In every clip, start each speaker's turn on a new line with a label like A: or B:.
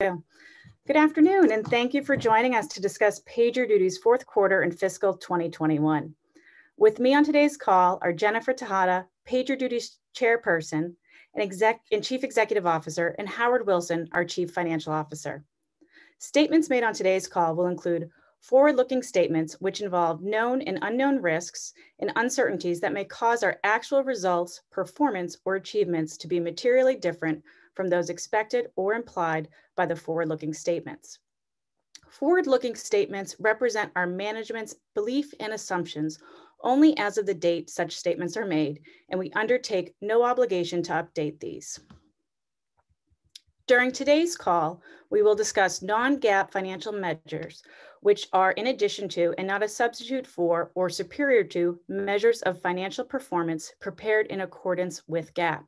A: Good afternoon, and thank you for joining us to discuss PagerDuty's fourth quarter and fiscal 2021. With me on today's call are Jennifer Tejada, PagerDuty's Chairperson and Chief Executive Officer, and Howard Wilson, our Chief Financial Officer. Statements made on today's call will include forward-looking statements which involve known and unknown risks and uncertainties that may cause our actual results, performance, or achievements to be materially different from those expected or implied by the forward-looking statements. Forward-looking statements represent our management's belief and assumptions only as of the date such statements are made, and we undertake no obligation to update these. During today's call, we will discuss non-GAAP financial measures, which are in addition to, and not a substitute for or superior to, measures of financial performance prepared in accordance with GAAP.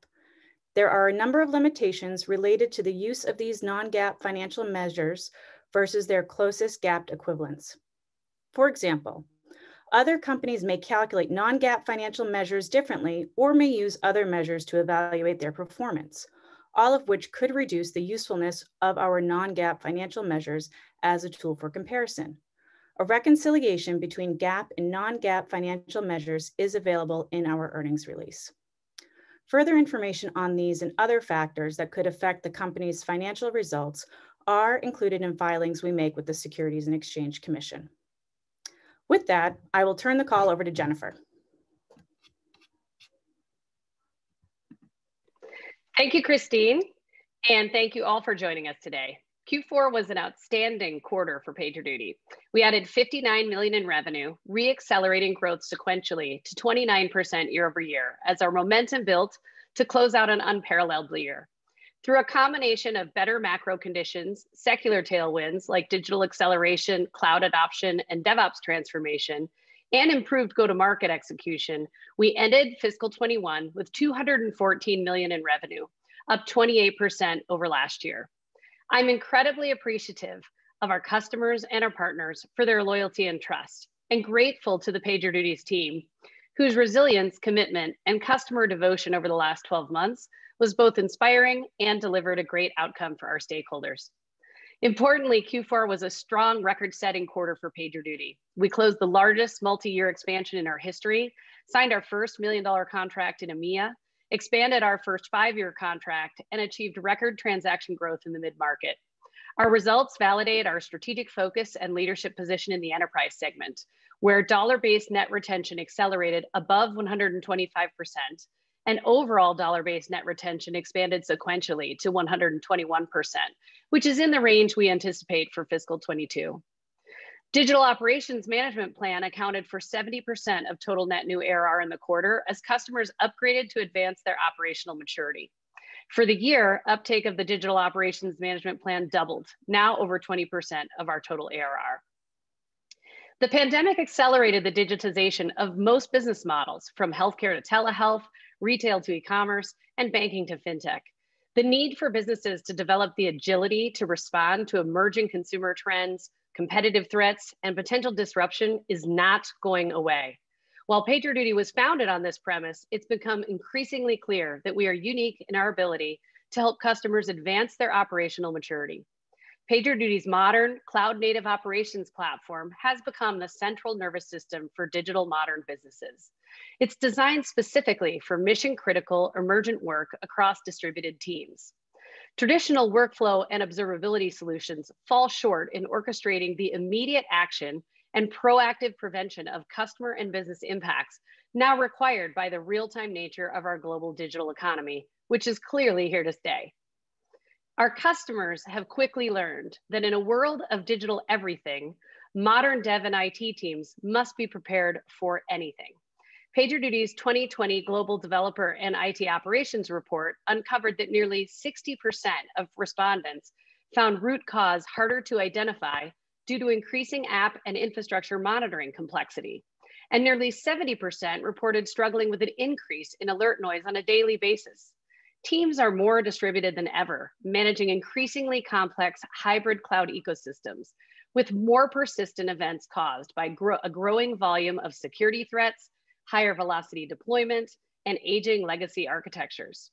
A: There are a number of limitations related to the use of these non-GAAP financial measures versus their closest GAAP equivalents. For example, other companies may calculate non-GAAP financial measures differently or may use other measures to evaluate their performance, all of which could reduce the usefulness of our non-GAAP financial measures as a tool for comparison. A reconciliation between GAAP and non-GAAP financial measures is available in our earnings release. Further information on these and other factors that could affect the company's financial results are included in filings we make with the Securities and Exchange Commission. With that, I will turn the call over to Jennifer.
B: Thank you, Christine, and thank you all for joining us today. Q4 was an outstanding quarter for PagerDuty. We added $59 million in revenue, re-accelerating growth sequentially to 29% year-over-year, as our momentum built to close out an unparalleled year. Through a combination of better macro conditions, secular tailwinds like digital acceleration, cloud adoption, and DevOps transformation, and improved go-to-market execution, we ended fiscal 2021 with $214 million in revenue, up 28% over last year. I'm incredibly appreciative of our customers and our partners for their loyalty and trust, and grateful to the PagerDuty team, whose resilience, commitment, and customer devotion over the last 12 months was both inspiring and delivered a great outcome for our stakeholders. Importantly, Q4 was a strong record-setting quarter for PagerDuty. We closed the largest multi-year expansion in our history, signed our first $1 million contract in EMEA, expanded our first five-year contract, and achieved record transaction growth in the mid-market. Our results validate our strategic focus and leadership position in the enterprise segment, where dollar-based net retention accelerated above 125%, and overall dollar-based net retention expanded sequentially to 121%, which is in the range we anticipate for fiscal 2022. Digital Operations Management Plan accounted for 70% of total net new ARR in the quarter as customers upgraded to advance their operational maturity. For the year, uptake of the Digital Operations Management Plan doubled, now over 20% of our total ARR. The pandemic accelerated the digitization of most business models, from healthcare to telehealth, retail to e-commerce, and banking to fintech. The need for businesses to develop the agility to respond to emerging consumer trends, competitive threats, and potential disruption is not going away. While PagerDuty was founded on this premise, it's become increasingly clear that we are unique in our ability to help customers advance their operational maturity. PagerDuty's modern cloud-native operations platform has become the central nervous system for digital modern businesses. It's designed specifically for mission-critical emergent work across distributed teams. Traditional workflow and observability solutions fall short in orchestrating the immediate action and proactive prevention of customer and business impacts now required by the real-time nature of our global digital economy, which is clearly here to stay. Our customers have quickly learned that in a world of digital everything, modern dev and IT teams must be prepared for anything. PagerDuty's 2020 Global Developer and IT Operations report uncovered that nearly 60% of respondents found root cause harder to identify due to increasing app and infrastructure monitoring complexity, and nearly 70% reported struggling with an increase in alert noise on a daily basis. Teams are more distributed than ever, managing increasingly complex hybrid cloud ecosystems with more persistent events caused by a growing volume of security threats, higher velocity deployment, and aging legacy architectures.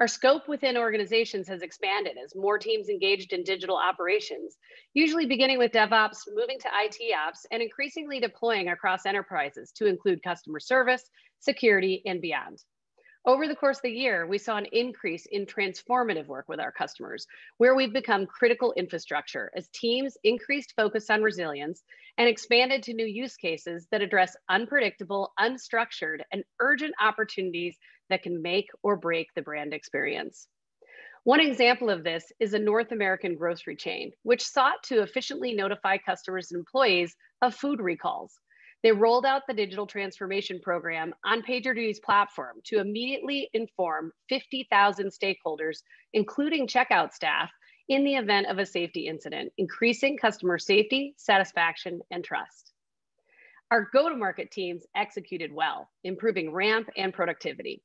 B: Our scope within organizations has expanded as more teams engaged in digital operations, usually beginning with DevOps, moving to ITOps, and increasingly deploying across enterprises to include customer service, security, and beyond. Over the course of the year, we saw an increase in transformative work with our customers, where we've become critical infrastructure as teams increased focus on resilience and expanded to new use cases that address unpredictable, unstructured, and urgent opportunities that can make or break the brand experience. One example of this is a North American grocery chain, which sought to efficiently notify customers and employees of food recalls. They rolled out the digital transformation program on PagerDuty's platform to immediately inform 50,000 stakeholders, including checkout staff, in the event of a safety incident, increasing customer safety, satisfaction, and trust. Our go-to-market teams executed well, improving ramp and productivity.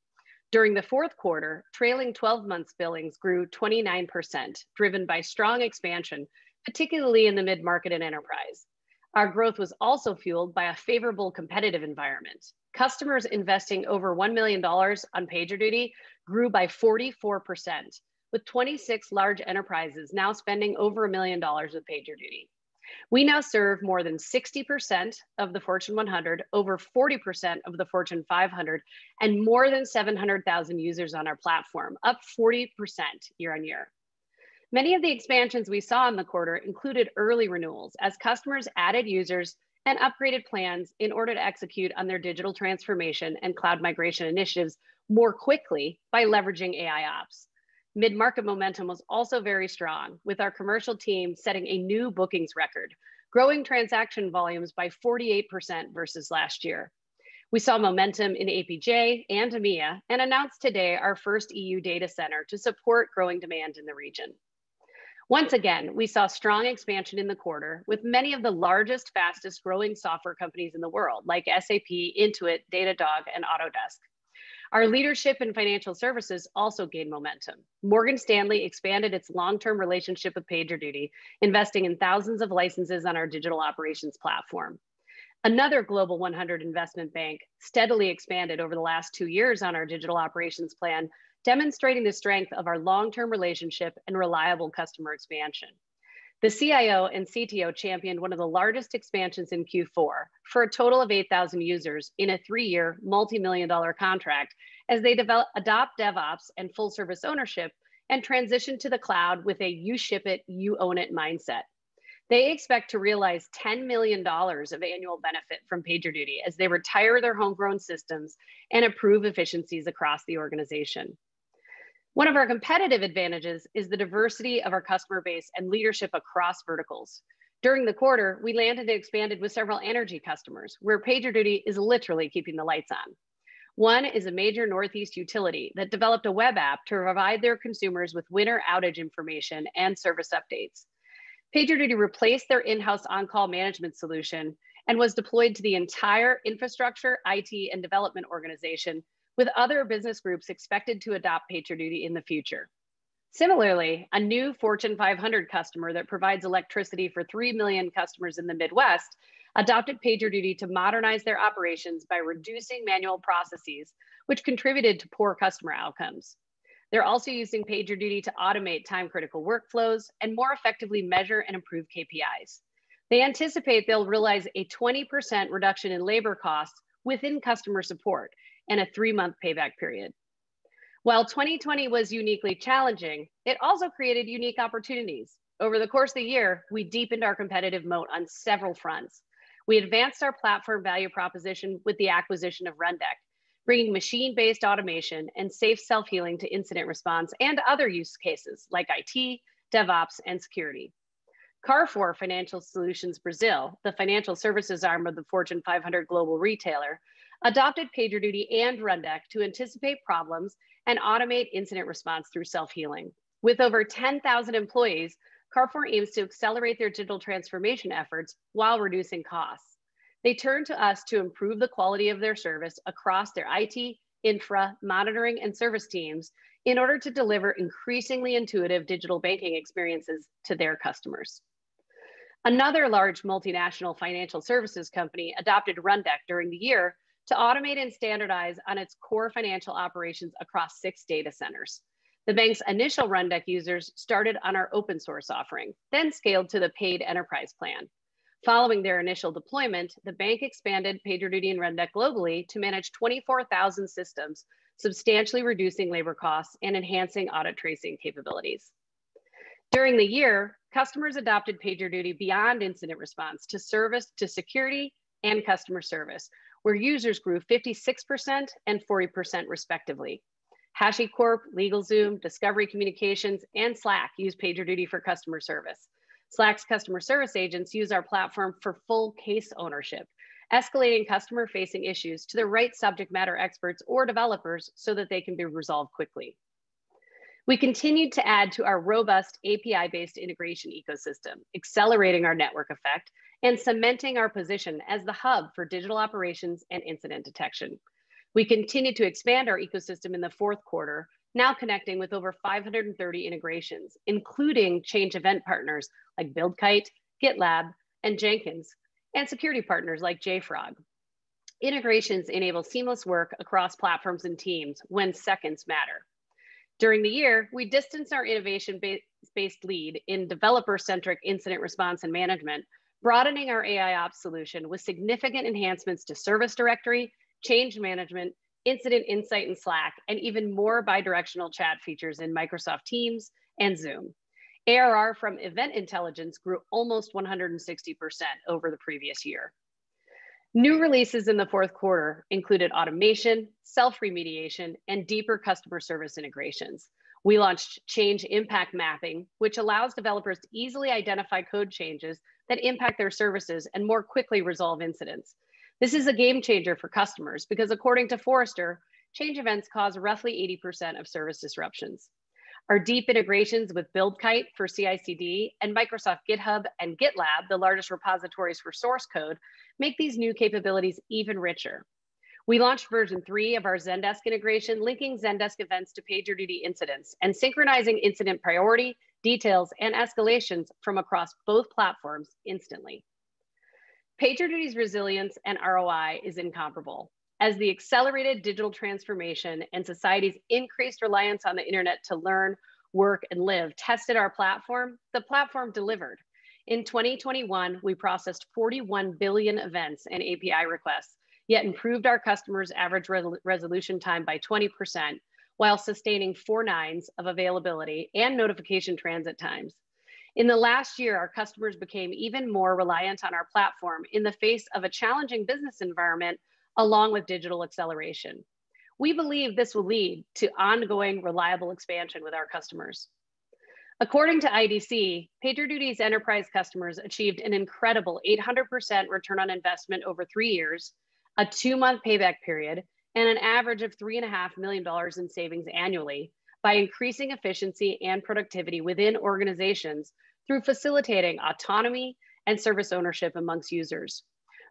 B: During the fourth quarter, trailing 12 months billings grew 29%, driven by strong expansion, particularly in the mid-market and enterprise. Our growth was also fueled by a favorable competitive environment. Customers investing over $1 million on PagerDuty grew by 44%, with 26 large enterprises now spending over $1 million with PagerDuty. We now serve more than 60% of the Fortune 100, over 40% of the Fortune 500, and more than 700,000 users on our platform, up 40% year-on-year. Many of the expansions we saw in the quarter included early renewals, as customers added users and upgraded plans in order to execute on their digital transformation and cloud migration initiatives more quickly by leveraging AIOps. Mid-market momentum was also very strong, with our commercial team setting a new bookings record, growing transaction volumes by 48% versus last year. We saw momentum in APJ and EMEA, and announced today our first EU data center to support growing demand in the region. Once again, we saw strong expansion in the quarter with many of the largest, fastest-growing software companies in the world, like SAP, Intuit, Datadog, and Autodesk. Our leadership in financial services also gained momentum. Morgan Stanley expanded its long-term relationship with PagerDuty, investing in thousands of licenses on our digital operations platform. Another Global 100 investment bank steadily expanded over the last two years on our Digital Operations plan, demonstrating the strength of our long-term relationship and reliable customer expansion. The CIO and CTO championed one of the largest expansions in Q4 for a total of 8,000 users in a three-year multimillion-dollar contract as they adopt DevOps and full service ownership, and transition to the cloud with a you ship it, you own it mindset. They expect to realize $10 million of annual benefit from PagerDuty as they retire their homegrown systems and improve efficiencies across the organization. One of our competitive advantages is the diversity of our customer base and leadership across verticals. During the quarter, we landed and expanded with several energy customers, where PagerDuty is literally keeping the lights on. One is a major Northeast utility that developed a web app to provide their consumers with winter outage information and service updates. PagerDuty replaced their in-house on-call management solution and was deployed to the entire infrastructure, IT, and development organization, with other business groups expected to adopt PagerDuty in the future. Similarly, a new Fortune 500 customer that provides electricity for 3 million customers in the Midwest adopted PagerDuty to modernize their operations by reducing manual processes, which contributed to poor customer outcomes. They're also using PagerDuty to automate time-critical workflows and more effectively measure and improve KPIs. They anticipate they'll realize a 20% reduction in labor costs within customer support and a three-month payback period. While 2020 was uniquely challenging, it also created unique opportunities. Over the course of the year, we deepened our competitive moat on several fronts. We advanced our platform value proposition with the acquisition of Rundeck, bringing machine-based automation and safe self-healing to incident response and other use cases like IT, DevOps, and security. Carrefour Financial Solutions Brazil, the financial services arm of the Fortune 500 global retailer, adopted PagerDuty and Rundeck to anticipate problems and automate incident response through self-healing. With over 10,000 employees, Carrefour aims to accelerate their digital transformation efforts while reducing costs. They turned to us to improve the quality of their service across their IT, infra, monitoring, and service teams in order to deliver increasingly intuitive digital banking experiences to their customers. Another large multinational financial services company adopted Rundeck during the year to automate and standardize on its core financial operations across six data centers. The bank's initial Rundeck users started on our open source offering, then scaled to the paid enterprise plan. Following their initial deployment, the bank expanded PagerDuty and Rundeck globally to manage 24,000 systems, substantially reducing labor costs and enhancing audit tracing capabilities. During the year, customers adopted PagerDuty beyond incident response to security and customer service, where users grew 56% and 40% respectively. HashiCorp, LegalZoom, Discovery Communications, and Slack use PagerDuty for customer service. Slack's customer service agents use our platform for full case ownership, escalating customer-facing issues to the right subject matter experts or developers so that they can be resolved quickly. We continued to add to our robust API-based integration ecosystem, accelerating our network effect and cementing our position as the hub for digital operations and incident detection. We continued to expand our ecosystem in the fourth quarter, now connecting with over 530 integrations, including change event partners like Buildkite, GitLab, and Jenkins, and security partners like JFrog. Integrations enable seamless work across platforms and teams when seconds matter. During the year, we distanced our innovations-based lead in developer-centric incident response and management, broadening our AIOps solution with significant enhancements to Service Directory, Change Management, Incident Insights in Slack, and even more bi-directional chat features in Microsoft Teams and Zoom. ARR from Event Intelligence grew almost 160% over the previous year. New releases in the fourth quarter included automation, self-remediation, and deeper customer service integrations. We launched Change Impact Mapping, which allows developers to easily identify code changes that impact their services and more quickly resolve incidents. This is a game changer for customers because according to Forrester, change events cause roughly 80% of service disruptions. Our deep integrations with Buildkite for CI/CD and Microsoft GitHub and GitLab, the largest repositories for source code, make these new capabilities even richer. We launched version three of our Zendesk integration, linking Zendesk events to PagerDuty incidents and synchronizing incident priority, details, and escalations from across both platforms instantly. PagerDuty's resilience and ROI is incomparable. As the accelerated digital transformation and society's increased reliance on the internet to learn, work, and live tested our platform, the platform delivered. In 2021, we processed 41 billion events and API requests, yet improved our customers' average resolution time by 20%, while sustaining four nines of availability and notification transit times. In the last year, our customers became even more reliant on our platform in the face of a challenging business environment, along with digital acceleration. We believe this will lead to ongoing reliable expansion with our customers. According to IDC, PagerDuty's enterprise customers achieved an incredible 800% return on investment over three years, a two-month payback period, and an average of three and a half million dollars in savings annually by increasing efficiency and productivity within organizations through facilitating autonomy and service ownership amongst users.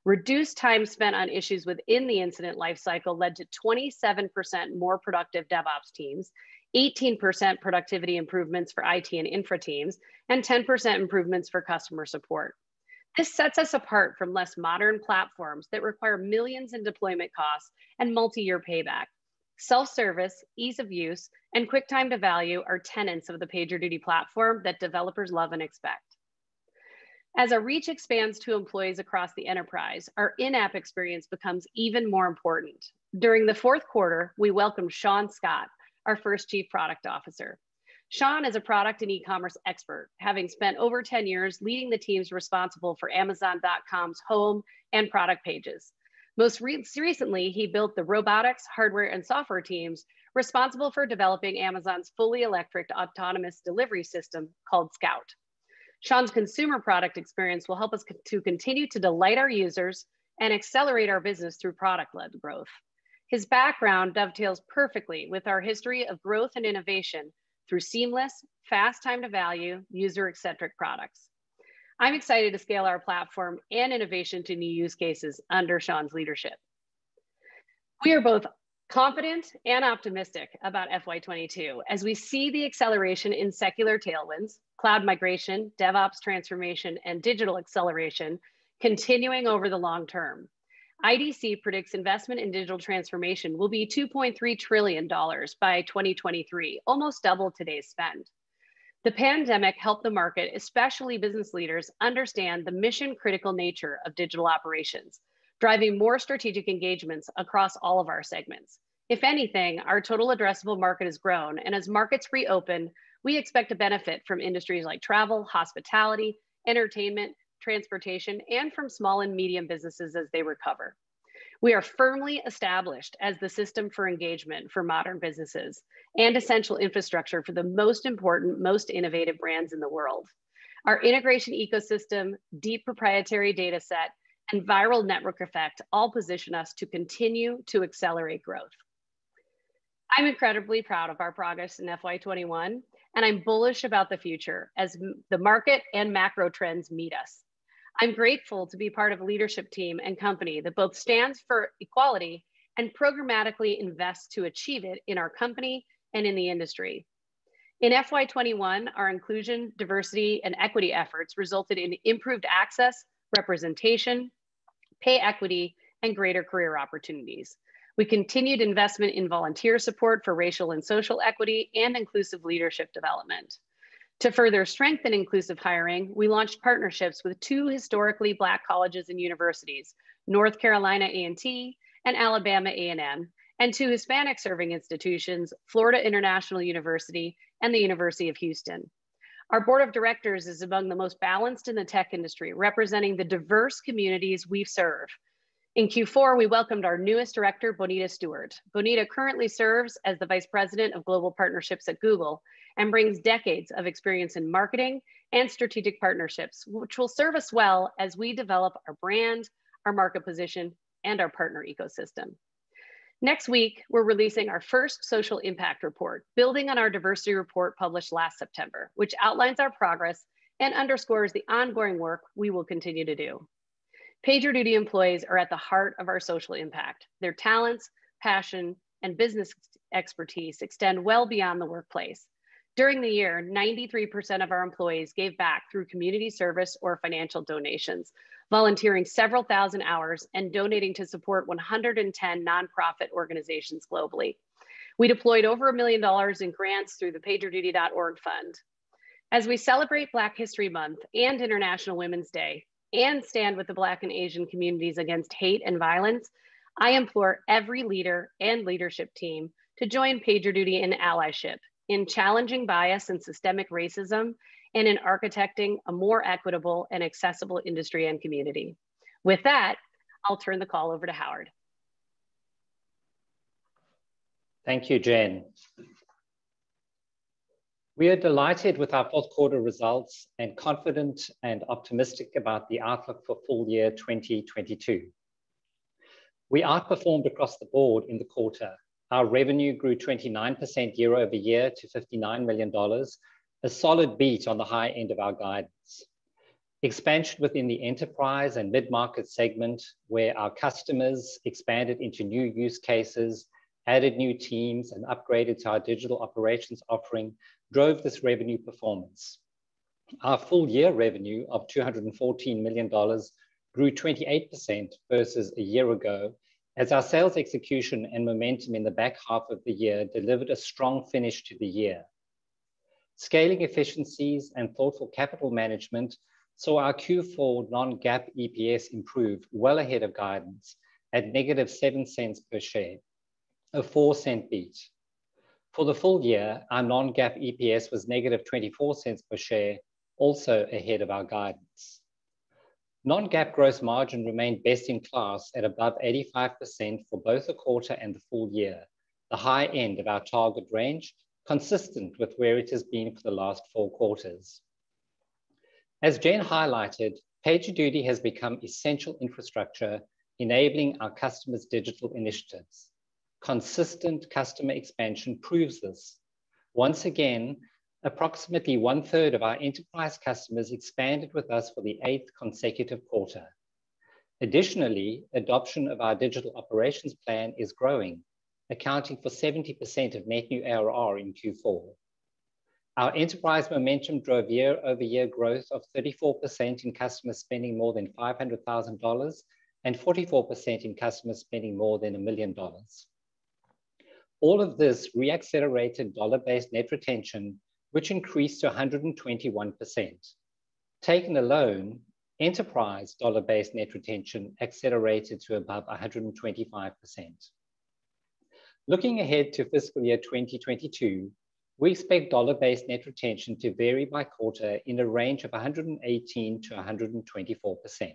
B: Reduced time spent on issues within the incident lifecycle led to 27% more productive DevOps teams, 18% productivity improvements for IT and infra teams, and 10% improvements for customer support. This sets us apart from less modern platforms that require millions in deployment costs and multi-year payback. Self-service, ease of use, and quick time to value are tenets of the PagerDuty platform that developers love and expect. As our reach expands to employees across the enterprise, our in-app experience becomes even more important. During the fourth quarter, we welcomed Sean Scott, our first Chief Product Officer. Sean is a product and e-commerce expert, having spent over 10 years leading the teams responsible for Amazon.com's home and product pages. Most recently, he built the robotics, hardware, and software teams responsible for developing Amazon's fully electric autonomous delivery system called Scout. Sean's consumer product experience will help us to continue to delight our users and accelerate our business through product-led growth. His background dovetails perfectly with our history of growth and innovation through seamless, fast time to value, user-centric products. I'm excited to scale our platform and innovation to new use cases under Sean's leadership. We are both confident and optimistic about FY 2022, as we see the acceleration in secular tailwinds, cloud migration, DevOps transformation, and digital acceleration continuing over the long term. IDC predicts investment in digital transformation will be $2.3 trillion by 2023, almost double today's spend. The pandemic helped the market, especially business leaders, understand the mission-critical nature of digital operations, driving more strategic engagements across all of our segments. If anything, our total addressable market has grown. As markets reopen, we expect to benefit from industries like travel, hospitality, entertainment, transportation, and from small and medium businesses as they recover. We are firmly established as the system for engagement for modern businesses and essential infrastructure for the most important, most innovative brands in the world. Our integration ecosystem, deep proprietary data set, and viral network effect all position us to continue to accelerate growth. I'm incredibly proud of our progress in FY 2021, and I'm bullish about the future as the market and macro trends meet us. I'm grateful to be part of a leadership team and company that both stands for equality and programmatically invests to achieve it in our company and in the industry. In FY 2021, our inclusion, diversity, and equity efforts resulted in improved access, representation, pay equity, and greater career opportunities. We continued investment in volunteer support for racial and social equity and inclusive leadership development. To further strengthen inclusive hiring, we launched partnerships with two historically Black colleges and universities, North Carolina A&T and Alabama A&M, and two Hispanic-serving institutions, Florida International University and the University of Houston. Our board of directors is among the most balanced in the tech industry, representing the diverse communities we serve. In Q4, we welcomed our newest director, Bonita Stewart. Bonita currently serves as the vice president of global partnerships at Google and brings decades of experience in marketing and strategic partnerships, which will serve us well as we develop our brand, our market position, and our partner ecosystem. Next week, we're releasing our first social impact report, building on our diversity report published last September, which outlines our progress and underscores the ongoing work we will continue to do. PagerDuty employees are at the heart of our social impact. Their talents, passion, and business expertise extend well beyond the workplace. During the year, 93% of our employees gave back through community service or financial donations, volunteering several thousand hours and donating to support 110 nonprofit organizations globally. We deployed over $1 million in grants through the PagerDuty.org fund. As we celebrate Black History Month and International Women's Day and stand with the Black and Asian communities against hate and violence, I implore every leader and leadership team to join PagerDuty in allyship, in challenging bias and systemic racism, and in architecting a more equitable and accessible industry and community. With that, I'll turn the call over to Howard.
C: Thank you, Jen. We are delighted with our fourth quarter results and confident and optimistic about the outlook for full year 2022. We outperformed across the board in the quarter. Our revenue grew 29% year-over-year to $59 million, a solid beat on the high end of our guidance. Expansion within the enterprise and mid-market segment, where our customers expanded into new use cases, added new teams, and upgraded to our digital operations offering, drove this revenue performance. Our full year revenue of $214 million grew 28% versus a year ago, as our sales execution and momentum in the back half of the year delivered a strong finish to the year. Scaling efficiencies and thoughtful capital management saw our Q4 non-GAAP EPS improve well ahead of guidance at -$0.07 per share, a $0.04 beat. For the full year, our non-GAAP EPS was negative $0.24 per share, also ahead of our guidance. Non-GAAP gross margin remained best in class at above 85% for both the quarter and the full year, the high end of our target range, consistent with where it has been for the last four quarters. As Jen highlighted, PagerDuty has become essential infrastructure enabling our customers' digital initiatives. Consistent customer expansion proves this. Once again, approximately one-third of our enterprise customers expanded with us for the eighth consecutive quarter. Additionally, adoption of our Digital Operations Management is growing, accounting for 70% of net new ARR in Q4. Our enterprise momentum drove year-over-year growth of 34% in customer spending, more than $500,000, and 44% in customer spending more than $1 million. All of this re-accelerated dollar-based net retention, which increased to 121%. Taken alone, enterprise dollar-based net retention accelerated to above 125%. Looking ahead to fiscal year 2022, we expect dollar-based net retention to vary by quarter in a range of 118%-124%.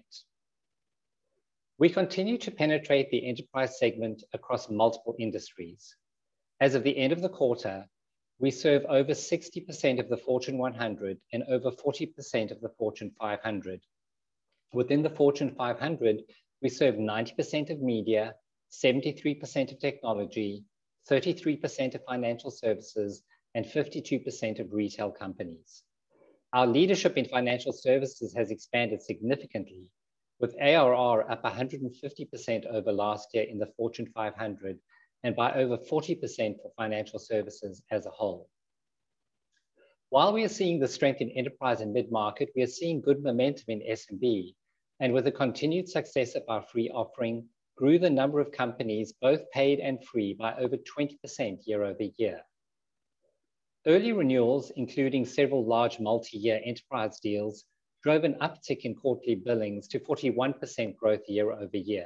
C: We continue to penetrate the enterprise segment across multiple industries. As of the end of the quarter, we serve over 60% of the Fortune 100 and over 40% of the Fortune 500. Within the Fortune 500, we serve 90% of media, 73% of technology, 33% of financial services, and 52% of retail companies. Our leadership in financial services has expanded significantly, with ARR up 150% over last year in the Fortune 500 and by over 40% for financial services as a whole. While we are seeing the strength in enterprise and mid-market, we are seeing good momentum in SMB, and with the continued success of our free offering, grew the number of companies both paid and free by over 20% year-over-year. Early renewals, including several large multi-year enterprise deals, drove an uptick in quarterly billings to 41% growth year-over-year.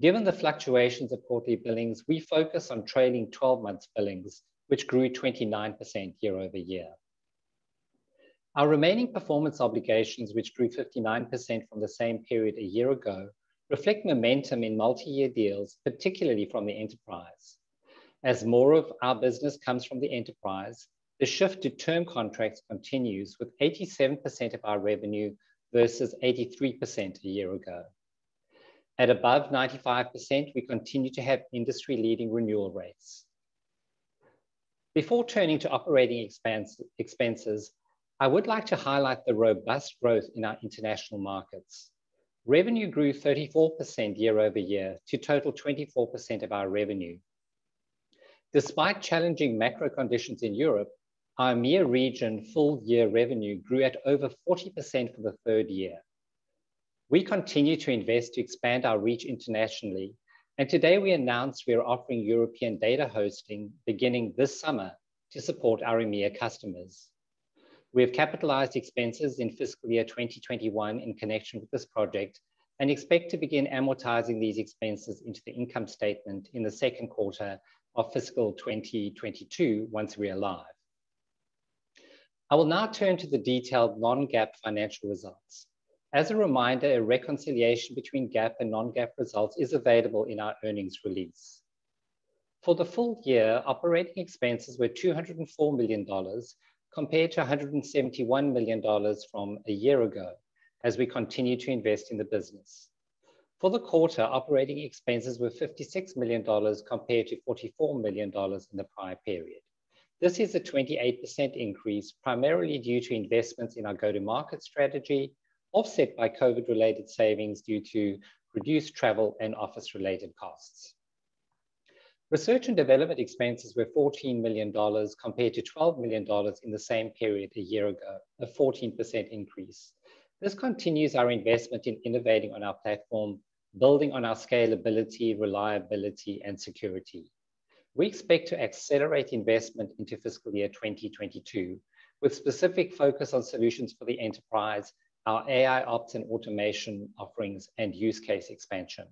C: Given the fluctuations of quarterly billings, we focus on trailing 12 months billings, which grew 29% year-over-year. Our remaining performance obligations, which grew 59% from the same period a year ago, reflect momentum in multi-year deals, particularly from the enterprise. As more of our business comes from the enterprise, the shift to term contracts continues with 87% of our revenue versus 83% a year ago. At above 95%, we continue to have industry-leading renewal rates. Before turning to operating expenses, I would like to highlight the robust growth in our international markets. Revenue grew 34% year-over-year to total 24% of our revenue. Despite challenging macro conditions in Europe, our EMEA region full year revenue grew at over 40% for the third year. We continue to invest to expand our reach internationally, and today we announced we are offering European data hosting beginning this summer to support our EMEA customers. We have capitalized expenses in fiscal year 2021 in connection with this project and expect to begin amortizing these expenses into the income statement in the second quarter of fiscal 2022, once we are live. I will now turn to the detailed non-GAAP financial results. As a reminder, a reconciliation between GAAP and non-GAAP results is available in our earnings release. For the full year, operating expenses were $204 million compared to $171 million from a year ago as we continue to invest in the business. For the quarter, operating expenses were $56 million, compared to $44 million in the prior period. This is a 28% increase, primarily due to investments in our go-to-market strategy, offset by COVID related savings due to reduced travel and office related costs. Research and development expenses were $14 million compared to $12 million in the same period a year ago, a 14% increase. This continues our investment in innovating on our platform, building on our scalability, reliability, and security. We expect to accelerate investment into fiscal year 2022, with specific focus on solutions for the enterprise, our AIOps and automation offerings, and use case expansion.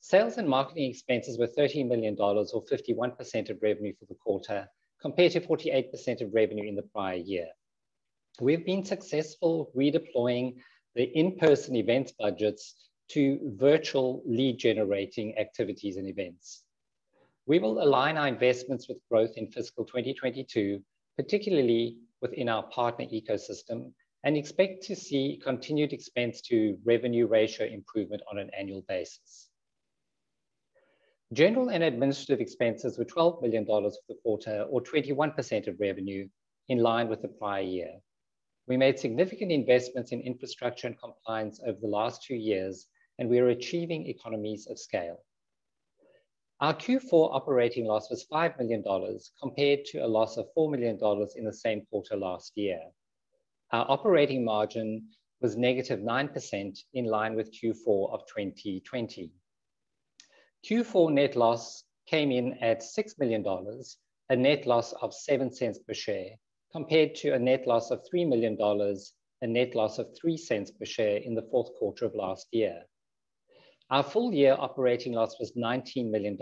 C: Sales and marketing expenses were $13 million, or 51% of revenue for the quarter, compared to 48% of revenue in the prior year. We've been successful redeploying the in-person events budgets to virtual lead generating activities and events. We will align our investments with growth in fiscal 2022, particularly within our partner ecosystem, and expect to see continued expense to revenue ratio improvement on an annual basis. General and administrative expenses were $12 million for the quarter, or 21% of revenue, in line with the prior year. We made significant investments in infrastructure and compliance over the last two years, and we are achieving economies of scale. Our Q4 operating loss was $5 million, compared to a loss of $4 million in the same quarter last year. Our operating margin was negative 9%, in line with Q4 of 2020. Q4 net loss came in at $6 million, a net loss of $0.07 per share, compared to a net loss of $3 million, a net loss of $0.03 per share in the fourth quarter of last year. Our full year operating loss was $19 million,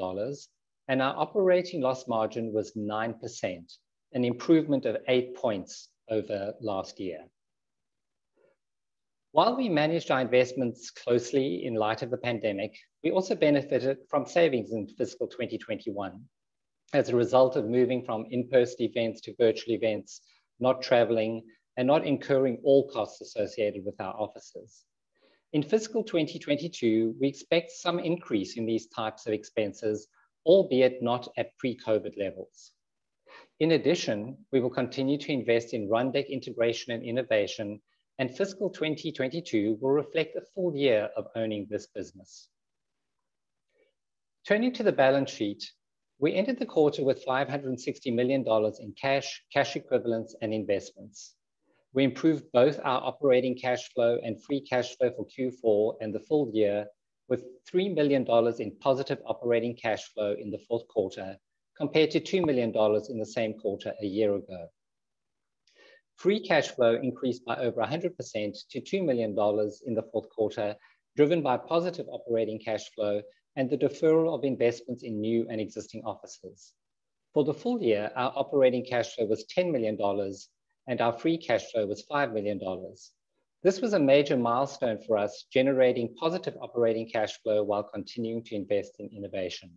C: and our operating loss margin was 9%, an improvement of eight points over last year. While we managed our investments closely in light of the pandemic, we also benefited from savings in fiscal 2021 as a result of moving from in-person events to virtual events, not traveling, and not incurring all costs associated with our offices. In fiscal 2022, we expect some increase in these types of expenses, albeit not at pre-COVID levels. In addition, we will continue to invest in Rundeck integration and innovation, and fiscal 2022 will reflect a full year of owning this business. Turning to the balance sheet, we ended the quarter with $560 million in cash equivalents, and investments. We improved both our operating cash flow and free cash flow for Q4 and the full year, with $3 million in positive operating cash flow in the fourth quarter, compared to $2 million in the same quarter a year ago. Free cash flow increased by over 100% to $2 million in the fourth quarter, driven by positive operating cash flow and the deferral of investments in new and existing offices. For the full year, our operating cash flow was $10 million, and our free cash flow was $5 million. This was a major milestone for us, generating positive operating cash flow while continuing to invest in innovation.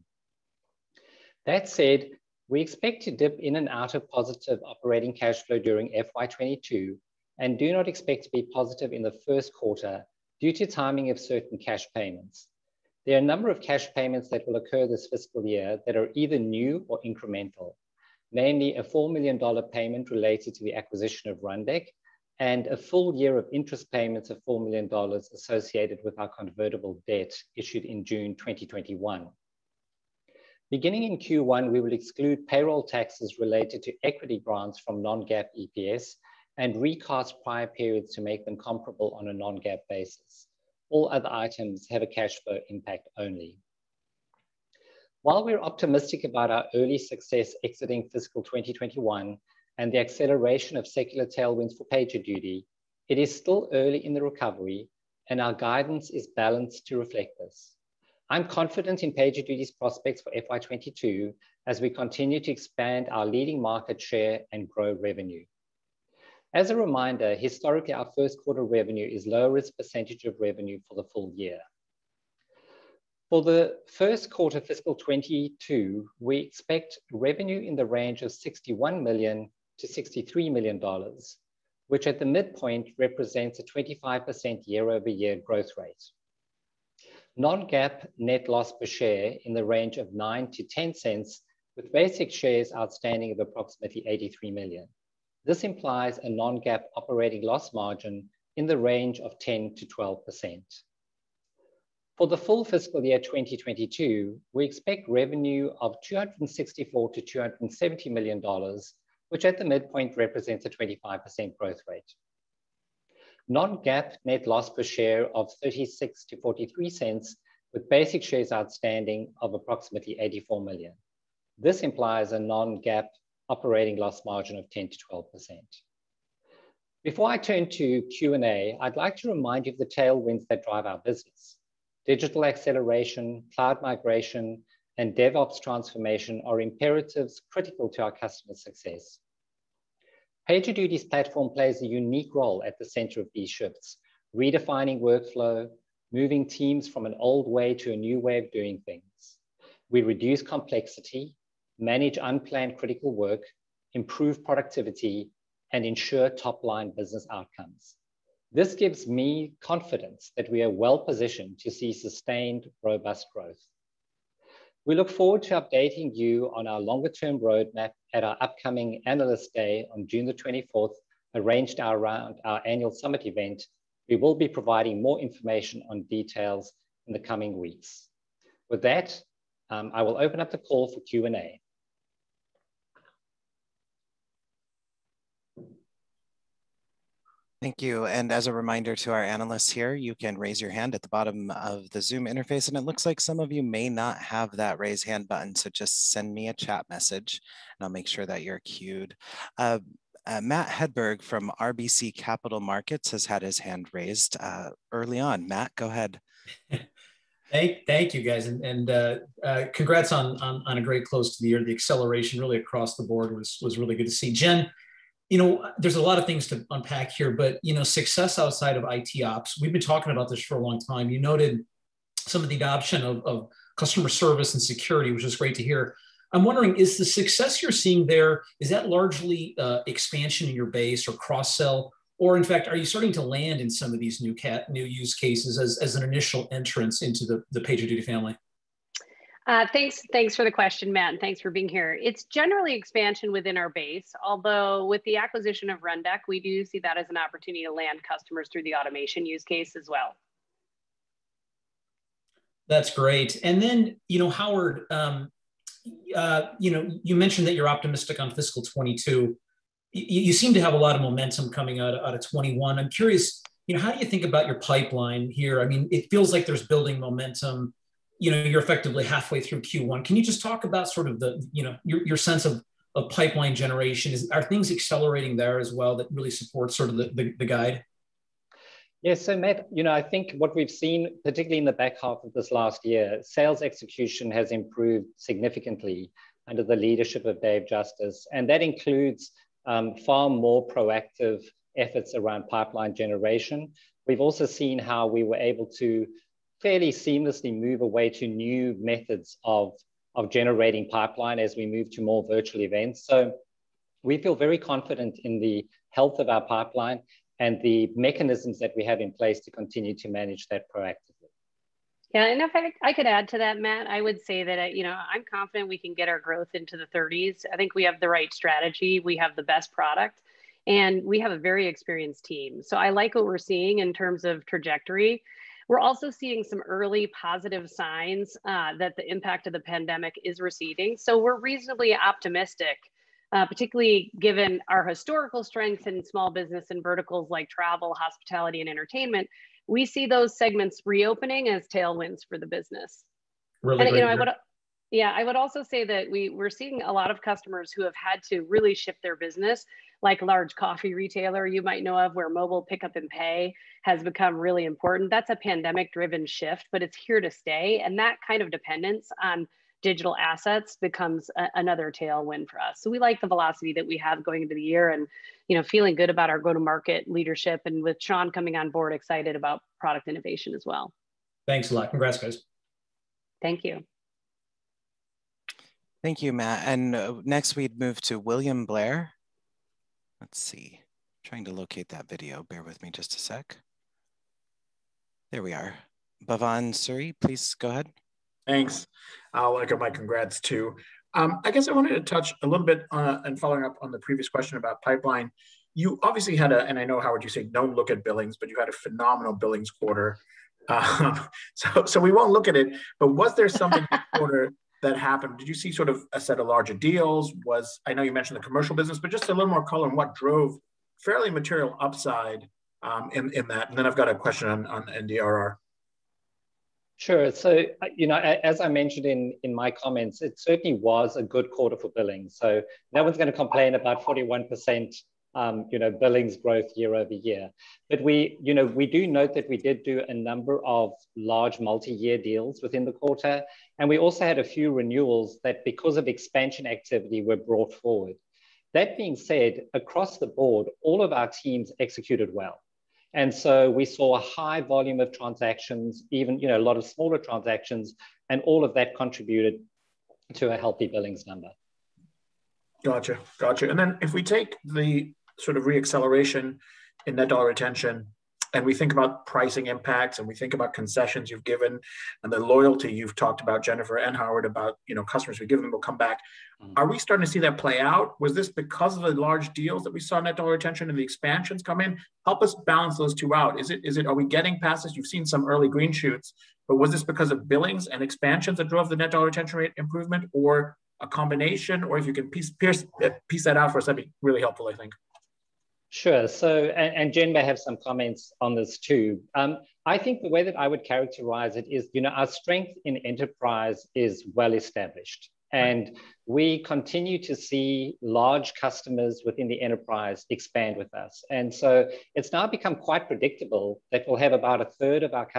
C: That said, we expect to dip in and out of positive operating cash flow during FY 2022 and do not expect to be positive in the first quarter due to timing of certain cash payments. There are a number of cash payments that will occur this fiscal year that are either new or incremental, namely a $4 million payment related to the acquisition of Rundeck and a full year of interest payments of $4 million associated with our convertible debt issued in June 2021. Beginning in Q1, we will exclude payroll taxes related to equity grants from non-GAAP EPS and recast prior periods to make them comparable on a non-GAAP basis. All other items have a cash flow impact only. While we're optimistic about our early success exiting fiscal 2021 and the acceleration of secular tailwinds for PagerDuty, it is still early in the recovery, and our guidance is balanced to reflect this. I'm confident in PagerDuty's prospects for FY 2022 as we continue to expand our leading market share and grow revenue. As a reminder, historically, our first quarter revenue is lower as a percentage of revenue for the full year. For the first quarter fiscal 2022, we expect revenue in the range of $61 million-$63 million, which at the midpoint represents a 25% year-over-year growth rate. Non-GAAP net loss per share in the range of $0.09-$0.10, with basic shares outstanding of approximately 83 million. This implies a non-GAAP operating loss margin in the range of 10%-12%. For the full fiscal year 2022, we expect revenue of $264 million-$270 million, which at the midpoint represents a 25% growth rate. Non-GAAP net loss per share of $0.36-$0.43, with basic shares outstanding of approximately 84 million. This implies a non-GAAP operating loss margin of 10%-12%. Before I turn to Q&A, I'd like to remind you of the tailwinds that drive our business. Digital acceleration, cloud migration, and DevOps transformation are imperatives critical to our customers' success. PagerDuty's platform plays a unique role at the center of these shifts, redefining workflow, moving teams from an old way to a new way of doing things. We reduce complexity, manage unplanned critical work, improve productivity, and ensure top-line business outcomes. This gives me confidence that we are well positioned to see sustained, robust growth. We look forward to updating you on our longer term roadmap at our upcoming Analyst Day on June the 24th, arranged around our annual summit event. We will be providing more information on details in the coming weeks. With that, I will open up the call for Q&A.
D: Thank you. As a reminder to our analysts here, you can raise your hand at the bottom of the Zoom interface, and it looks like some of you may not have that raise hand button, so just send me a chat message and I'll make sure that you're queued. Matt Hedberg from RBC Capital Markets has had his hand raised early on. Matt, go ahead.
E: Thank you, guys, and congrats on a great close to the year. The acceleration really across the board was really good to see. Jen, there's a lot of things to unpack here, but success outside of ITOps, we've been talking about this for a long time. You noted some of the adoption of customer service and security, which is great to hear. I'm wondering, is the success you're seeing there, is that largely expansion in your base or cross-sell, or in fact, are you starting to land in some of these new use cases as an initial entrance into the PagerDuty family?
B: Thanks for the question, Matt, and thanks for being here. It's generally expansion within our base, although with the acquisition of Rundeck, we do see that as an opportunity to land customers through the automation use case as well.
E: That's great. Howard, you mentioned that you're optimistic on fiscal 2022. You seem to have a lot of momentum coming out of 2021. I'm curious, how do you think about your pipeline here? It feels like there's building momentum. You're effectively halfway through Q1. Can you just talk about your sense of pipeline generation? Are things accelerating there as well that really supports the guide?
C: Matt, I think what we've seen, particularly in the back half of this last year, sales execution has improved significantly under the leadership of Dave Justice, and that includes far more proactive efforts around pipeline generation. We've also seen how we were able to fairly seamlessly move away to new methods of generating pipeline as we move to more virtual events. We feel very confident in the health of our pipeline and the mechanisms that we have in place to continue to manage that proactively.
B: Yeah, if I could add to that, Matt, I would say that I'm confident we can get our growth into the 30s. I think we have the right strategy, we have the best product, and we have a very experienced team. I like what we're seeing in terms of trajectory. We're also seeing some early positive signs that the impact of the pandemic is receding. We're reasonably optimistic, particularly given our historical strength in small business and verticals like travel, hospitality, and entertainment. We see those segments reopening as tailwinds for the business.
E: Really great.
B: Yeah, I would also say that we're seeing a lot of customers who have had to really shift their business, like a large coffee retailer you might know of, where mobile pickup and pay has become really important. That's a pandemic-driven shift, but it's here to stay, and that kind of dependence on digital assets becomes another tailwind for us. We like the velocity that we have going into the year and feeling good about our go-to-market leadership. With Sean coming on board, excited about product innovation as well.
E: Thanks a lot. Congrats, guys.
B: Thank you.
D: Thank you, Matt. Next we'd move to William Blair. Let's see. Trying to locate that video. Bear with me just a sec. There we are. Bhavan Suri, please go ahead.
F: Thanks. I want to give my congrats, too. I guess I wanted to touch a little bit on, following up on the previous question about pipeline. You obviously had a, and I know, Howard, you say don't look at billings, but you had a phenomenal billings quarter, so we won't look at it, but was there something in the quarter that happened? Did you see a set of larger deals? I know you mentioned the commercial business, but just a little more color on what drove fairly material upside in that. Then I've got a question on NDR.
C: Sure. As I mentioned in my comments, it certainly was a good quarter for billing. No one's going to complain about 41% billings growth year-over-year. We do note that we did do a number of large multi-year deals within the quarter, and we also had a few renewals that, because of expansion activity, were brought forward. That being said, across the board, all of our teams executed well. We saw a high volume of transactions, even a lot of smaller transactions, and all of that contributed to a healthy billings number.
F: Got you. If we take the re-acceleration in Net Dollar Retention, and we think about pricing impacts, and we think about concessions you've given and the loyalty you've talked about, Jennifer and Howard, about customers we've given will come back. Are we starting to see that play out? Was this because of the large deals that we saw Net Dollar Retention and the expansions come in? Help us balance those two out. Are we getting past this? You've seen some early green shoots, was this because of billings and expansions that drove the Net Dollar Retention rate improvement, or a combination, or if you can piece that out for us, that'd be really helpful, I think.
C: Sure. Jen may have some comments on this too. I think the way that I would characterize it is our strength in enterprise is well established.
F: Right.
C: We continue to see large customers within the enterprise expand with us. So it's now become quite predictable that we'll have about a third of our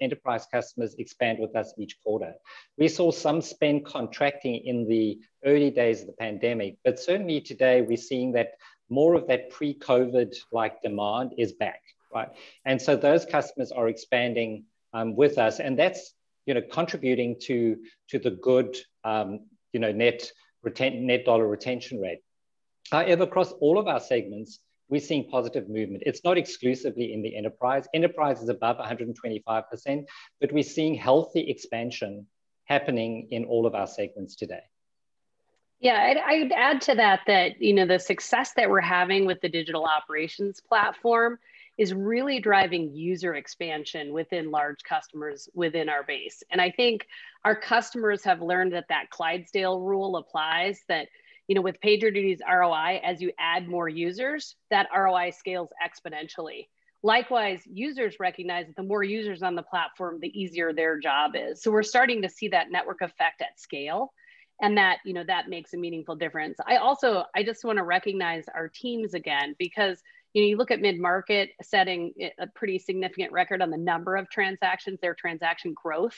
C: enterprise customers expand with us each quarter. We saw some spend contracting in the early days of the pandemic, certainly today, we're seeing that more of that pre-COVID like demand is back, right? Those customers are expanding with us, and that's contributing to the good Net Dollar Retention rate. However, across all of our segments, we're seeing positive movement. It's not exclusively in the enterprise. Enterprise is above 125%, but we're seeing healthy expansion happening in all of our segments today.
B: I'd add to that that the success that we are having with the digital operations platform is really driving user expansion within large customers within our base. I think our customers have learned that that Clydesdale rule applies, that with PagerDuty's ROI, as you add more users, that ROI scales exponentially. Likewise, users recognize that the more users on the platform, the easier their job is. We're starting to see that network effect at scale, and that makes a meaningful difference. I also just want to recognize our teams again, because you look at mid-market setting a pretty significant record on the number of transactions, their transaction growth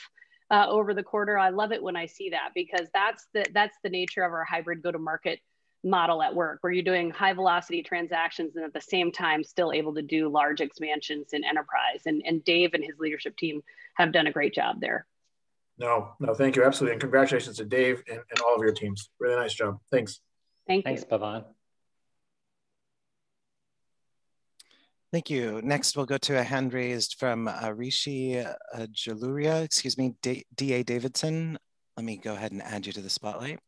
B: over the quarter. I love it when I see that, because that's the nature of our hybrid go-to-market model at work, where you're doing high velocity transactions, and at the same time, still able to do large expansions in enterprise. Dave and his leadership team have done a great job there.
F: No, thank you. Absolutely. Congratulations to Dave and all of your teams. Really nice job. Thanks.
B: Thank you.
C: Thanks, Bhavan.
D: Thank you. Next, we'll go to a hand raised from Rishi Jaluria. Excuse me, DA Davidson. Let me go ahead and add you to the spotlight.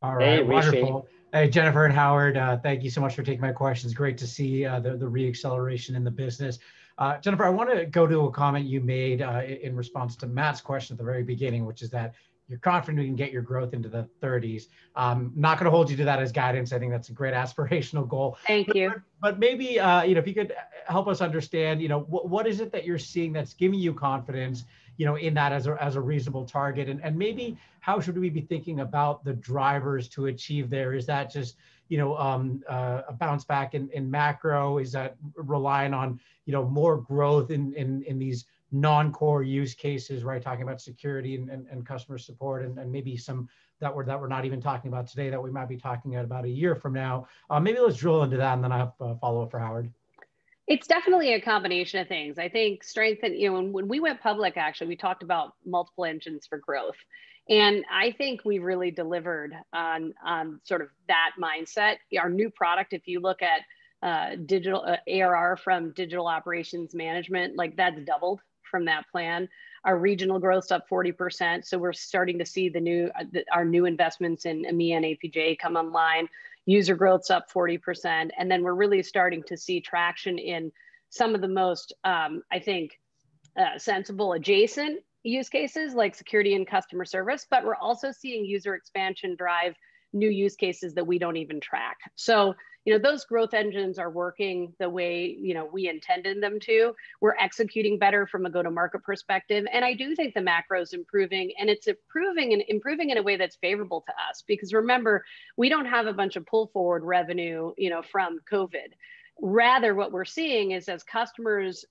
G: All right.
C: Hey, Rishi.
G: Wonderful. Hey, Jennifer and Howard. Thank you so much for taking my questions. Great to see the re-acceleration in the business. Jennifer, I want to go to a comment you made in response to Matt's question at the very beginning, which is that you're confident you can get your growth into the 30s. I'm not going to hold you to that as guidance. I think that's a great aspirational goal.
B: Thank you.
G: Maybe, if you could help us understand, what is it that you're seeing that's giving you confidence in that as a reasonable target? And maybe how should we be thinking about the drivers to achieve there? Is that just, a bounce back in macro? Is that relying on more growth in these non-core use cases, right, talking about security and customer support and maybe some that we're not even talking about today, that we might be talking at about a year from now? Maybe let's drill into that, and then I have a follow-up for Howard.
B: It's definitely a combination of things. I think strength in, when we went public, actually, we talked about multiple engines for growth. I think we've really delivered on that mindset. Our new product, if you look at ARR from Digital Operations Management, that's doubled from that plan. Our regional growth's up 40%. We're starting to see our new investments in EMEA and APJ come online. User growth's up 40%. We're really starting to see traction in some of the most, I think, sensible adjacent use cases like security and customer service. We're also seeing user expansion drive new use cases that we don't even track. Those growth engines are working the way we intended them to. We're executing better from a go-to-market perspective. I do think the macro's improving. It's improving in a way that's favorable to us. Because remember, we don't have a bunch of pull-forward revenue from COVID. Rather, what we're seeing is as customers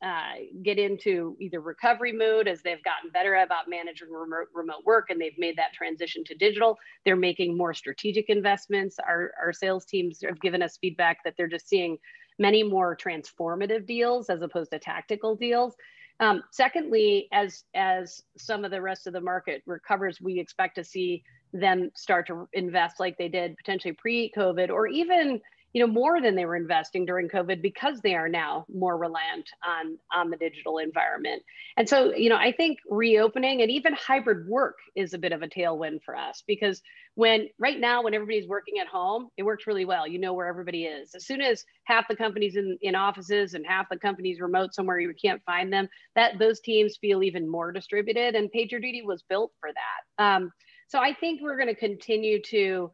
B: get into either recovery mode, as they've gotten better about managing remote work, and they've made that transition to digital, they're making more strategic investments. Our sales teams have given us feedback that they're just seeing many more transformative deals as opposed to tactical deals. Secondly, as some of the rest of the market recovers, we expect to see them start to invest like they did potentially pre-COVID, or even more than they were investing during COVID because they are now more reliant on the digital environment. I think reopening and even hybrid work is a bit of a tailwind for us because right now, when everybody's working at home, it works really well. You know where everybody is. As soon as half the company's in offices and half the company's remote somewhere, you can't find them, those teams feel even more distributed, and PagerDuty was built for that. I think we're going to continue to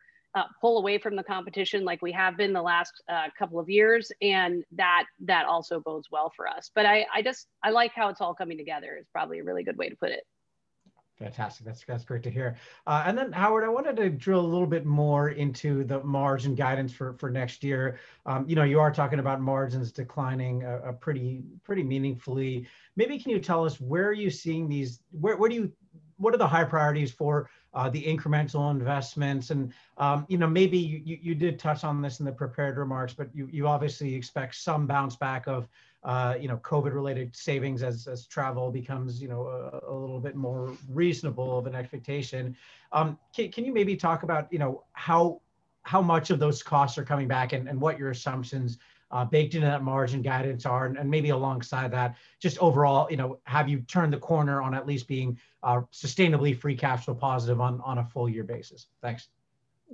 B: pull away from the competition like we have been the last couple of years, and that also bodes well for us. I like how it's all coming together, is probably a really good way to put it.
G: Fantastic. That's great to hear. Howard, I wanted to drill a little bit more into the margin guidance for next year. You are talking about margins declining pretty meaningfully. Maybe can you tell us where are you seeing these, what are the high priorities for the incremental investments and, maybe you did touch on this in the prepared remarks, but you obviously expect some bounce back of COVID-related savings as travel becomes a little bit more reasonable of an expectation. Can you maybe talk about how much of those costs are coming back and what your assumptions baked into that margin guidance are? Maybe alongside that, just overall, have you turned the corner on at least being sustainably free cash flow positive on a full year basis? Thanks.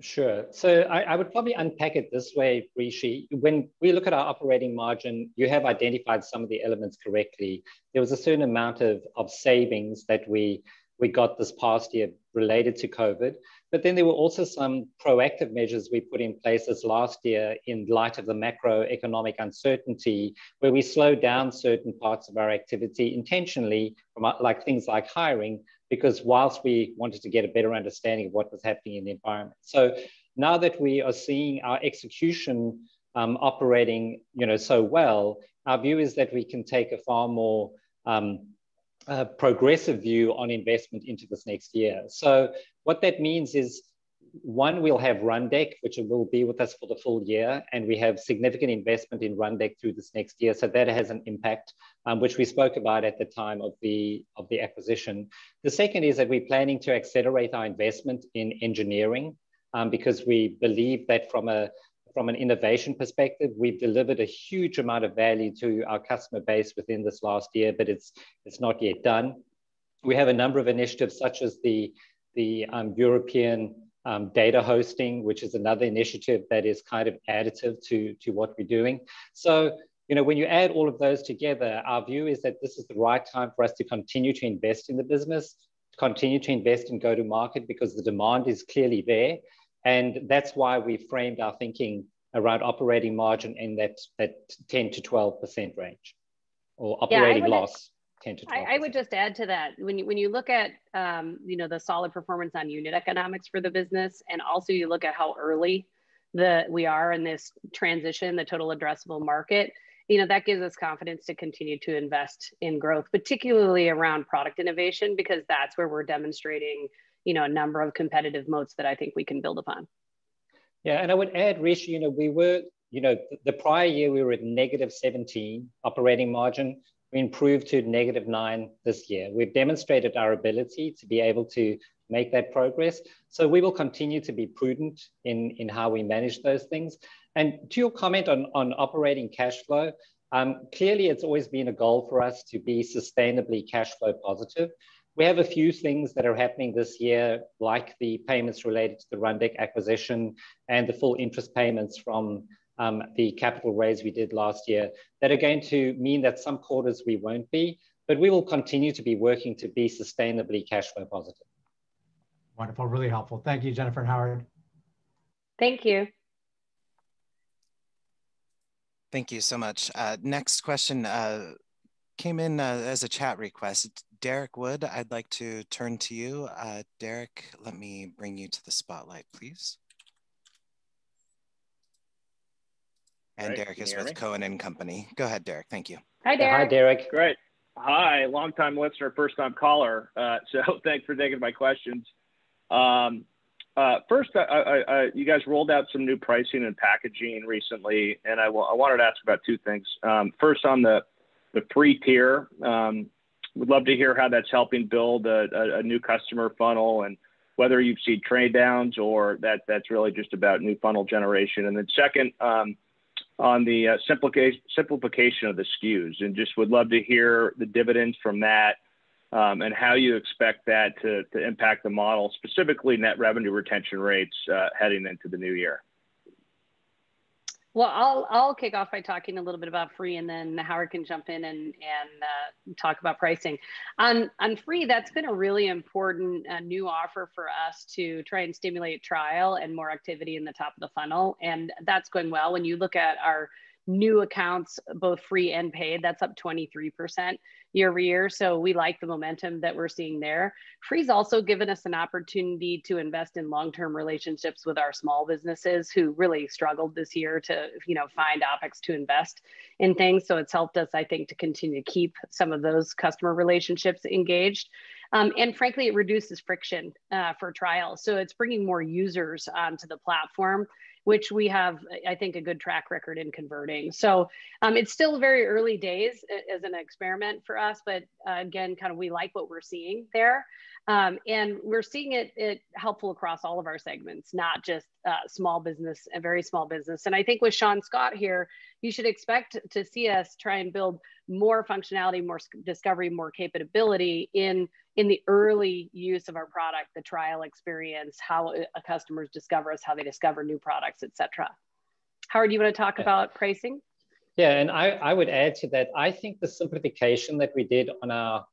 C: Sure. I would probably unpack it this way, Rishi. When we look at our operating margin, you have identified some of the elements correctly. There was a certain amount of savings that we got this past year related to COVID, there were also some proactive measures we put in place this last year in light of the macroeconomic uncertainty, where we slowed down certain parts of our activity intentionally, like things like hiring, because whilst we wanted to get a better understanding of what was happening in the environment. Now that we are seeing our execution operating so well, our view is that we can take a far more progressive view on investment into this next year. What that means is, one, we'll have Rundeck, which will be with us for the full year, and we have significant investment in Rundeck through this next year. That has an impact, which we spoke about at the time of the acquisition. The second is that we're planning to accelerate our investment in engineering, because we believe that from an innovation perspective, we've delivered a huge amount of value to our customer base within this last year, but it's not yet done. We have a number of initiatives, such as the European data hosting, which is another initiative that is kind of additive to what we're doing. When you add all of those together, our view is that this is the right time for us to continue to invest in the business, continue to invest in go-to-market because the demand is clearly there, and that's why we framed our thinking around operating margin in that 10%-12% range, or operating loss 10%-12%.
B: I would just add to that. When you look at the solid performance on unit economics for the business, and also you look at how early that we are in this transition, the total addressable market, that gives us confidence to continue to invest in growth, particularly around product innovation, because that's where we're demonstrating a number of competitive moats that I think we can build upon.
C: Yeah, I would add, Rishi, the prior year we were at negative 17% operating margin. We improved to negative 9% this year. We've demonstrated our ability to be able to make that progress. We will continue to be prudent in how we manage those things. To your comment on operating cash flow, clearly it's always been a goal for us to be sustainably cash flow positive. We have a few things that are happening this year, like the payments related to the Rundeck acquisition and the full interest payments from the capital raise we did last year, that are going to mean that some quarters we won't be, but we will continue to be working to be sustainably cash flow positive.
G: Wonderful. Really helpful. Thank you, Jennifer and Howard.
B: Thank you.
D: Thank you so much. Next question came in as a chat request. Derrick Wood, I'd like to turn to you. Derrick, let me bring you to the spotlight, please. Derrick is with Cowen and Company. Go ahead, Derrick. Thank you.
B: Hi, Derrick.
C: Hi, Derrick.
H: Great. Hi, longtime listener, first time caller. Thanks for taking my questions. First, you guys rolled out some new pricing and packaging recently, and I wanted to ask about two things. First on the free tier. Would love to hear how that's helping build a new customer funnel and whether you've seen trade downs or that's really just about new funnel generation. Second, on the simplification of the SKUs, and just would love to hear the dividends from that, and how you expect that to impact the model, specifically net revenue retention rates heading into the new year.
B: I'll kick off by talking a little bit about free, and then Howard can jump in and talk about pricing. On free, that's been a really important new offer for us to try and stimulate trial and more activity in the top of the funnel, and that's going well. When you look at our new accounts, both free and paid, that's up 23% year-over-year. We like the momentum that we're seeing there. Free's also given us an opportunity to invest in long-term relationships with our small businesses who really struggled this year to find OpEx to invest in things. It's helped us, I think, to continue to keep some of those customer relationships engaged. Frankly, it reduces friction for trials. It's bringing more users to the platform, which we have, I think, a good track record in converting. It's still very early days as an experiment for us, but again, we like what we're seeing there. We're seeing it helpful across all of our segments, not just small business and very small business. I think with Sean Scott here, you should expect to see us try and build more functionality, more discovery, more capability in the early use of our product, the trial experience, how customers discover us, how they discover new products, et cetera. Howard, you want to talk about pricing?
C: I would add to that, I think the simplification that we did on our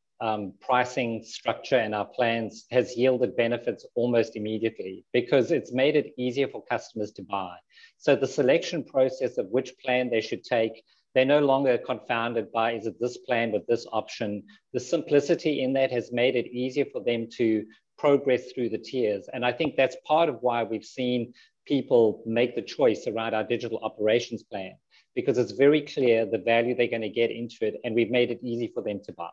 C: pricing structure and our plans has yielded benefits almost immediately, because it's made it easier for customers to buy. The selection process of which plan they should take, they're no longer confounded by, is it this plan with this option? The simplicity in that has made it easier for them to progress through the tiers, and I think that's part of why we've seen people make the choice around our Digital Operations plan. It's very clear the value they're going to get into it, and we've made it easy for them to buy.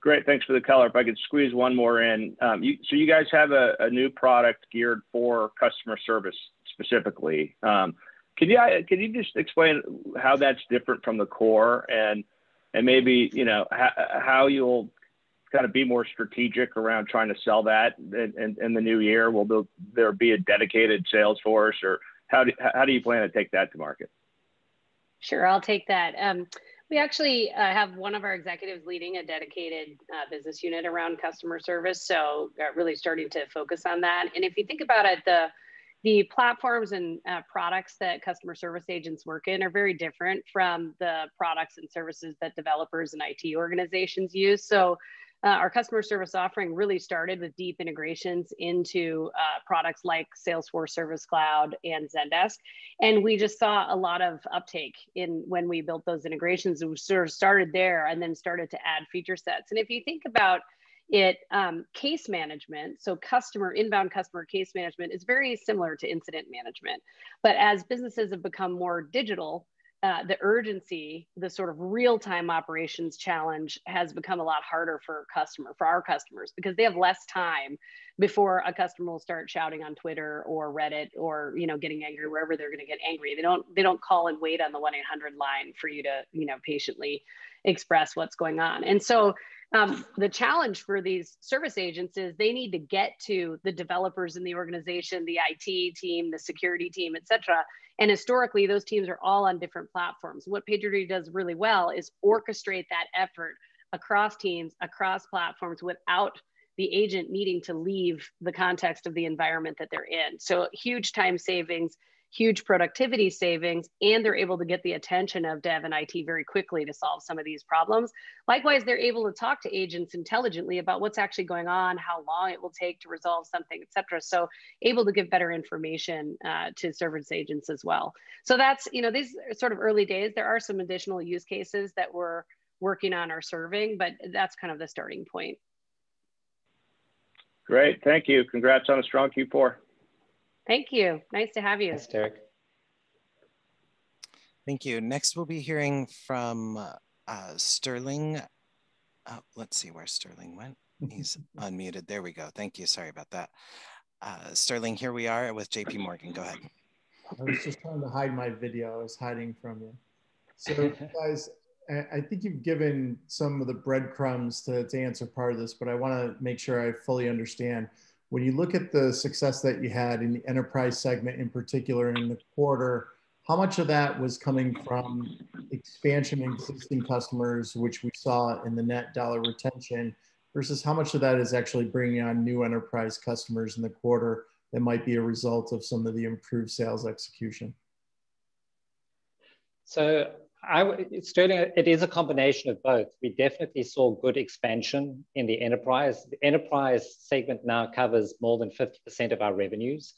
H: Great, thanks for the color. If I could squeeze one more in. You guys have a new product geared for customer service specifically. Can you just explain how that's different from the core and maybe, how you'll be more strategic around trying to sell that in the new year? Will there be a dedicated sales force, or how do you plan to take that to market?
B: Sure. I'll take that. We actually have one of our executives leading a dedicated business unit around customer service, really starting to focus on that. If you think about it, the platforms and products that customer service agents work in are very different from the products and services that developers and IT organizations use. Our customer service offering really started with deep integrations into products like Salesforce Service Cloud and Zendesk. We just saw a lot of uptake when we built those integrations, and we sort of started there and then started to add feature sets. If you think about it, case management, inbound customer case management is very similar to incident management. As businesses have become more digital, the urgency, the sort of real-time operations challenge has become a lot harder for our customers, because they have less time before a customer will start shouting on Twitter or Reddit or getting angry wherever they're going to get angry. They don't call and wait on the 1-800 line for you to patiently express what's going on. The challenge for these service agents is they need to get to the developers in the organization, the IT team, the security team, et cetera, and historically, those teams are all on different platforms. What PagerDuty does really well is orchestrate that effort across teams, across platforms, without the agent needing to leave the context of the environment that they're in. Huge time savings, huge productivity savings, and they're able to get the attention of dev and IT very quickly to solve some of these problems. Likewise, they're able to talk to agents intelligently about what's actually going on, how long it will take to resolve something, et cetera. Able to give better information to service agents as well. These are sort of early days. There are some additional use cases that we're working on or surveying, but that's kind of the starting point.
H: Great. Thank you. Congrats on a strong Q4.
B: Thank you. Nice to have you.
C: Thanks, Derrick.
D: Thank you. Next, we'll be hearing from Sterling. Let's see where Sterling went. He's unmuted. There we go. Thank you. Sorry about that. Sterling, here we are with JPMorgan. Go ahead.
I: I was just trying to hide my video. I was hiding from you. Guys, I think you've given some of the breadcrumbs to answer part of this, but I want to make sure I fully understand. When you look at the success that you had in the enterprise segment, in particular in the quarter, how much of that was coming from expansion in existing customers, which we saw in the Net Dollar Retention, versus how much of that is actually bringing on new enterprise customers in the quarter that might be a result of some of the improved sales execution?
C: Sterling, it is a combination of both. We definitely saw good expansion in the enterprise. The enterprise segment now covers more than 50% of our revenues,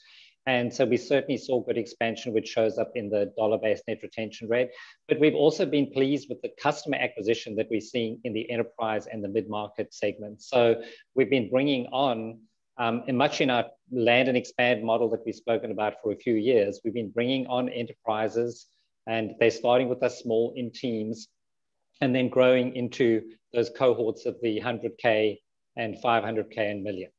C: we certainly saw good expansion, which shows up in the dollar-based net retention rate. We've also been pleased with the customer acquisition that we're seeing in the enterprise and the mid-market segment. We've been bringing on, in much in our land and expand model that we've spoken about for a few years, we've been bringing on enterprises, and they're starting with us small in teams and then growing into those cohorts of the $100K and $500K and $1 million.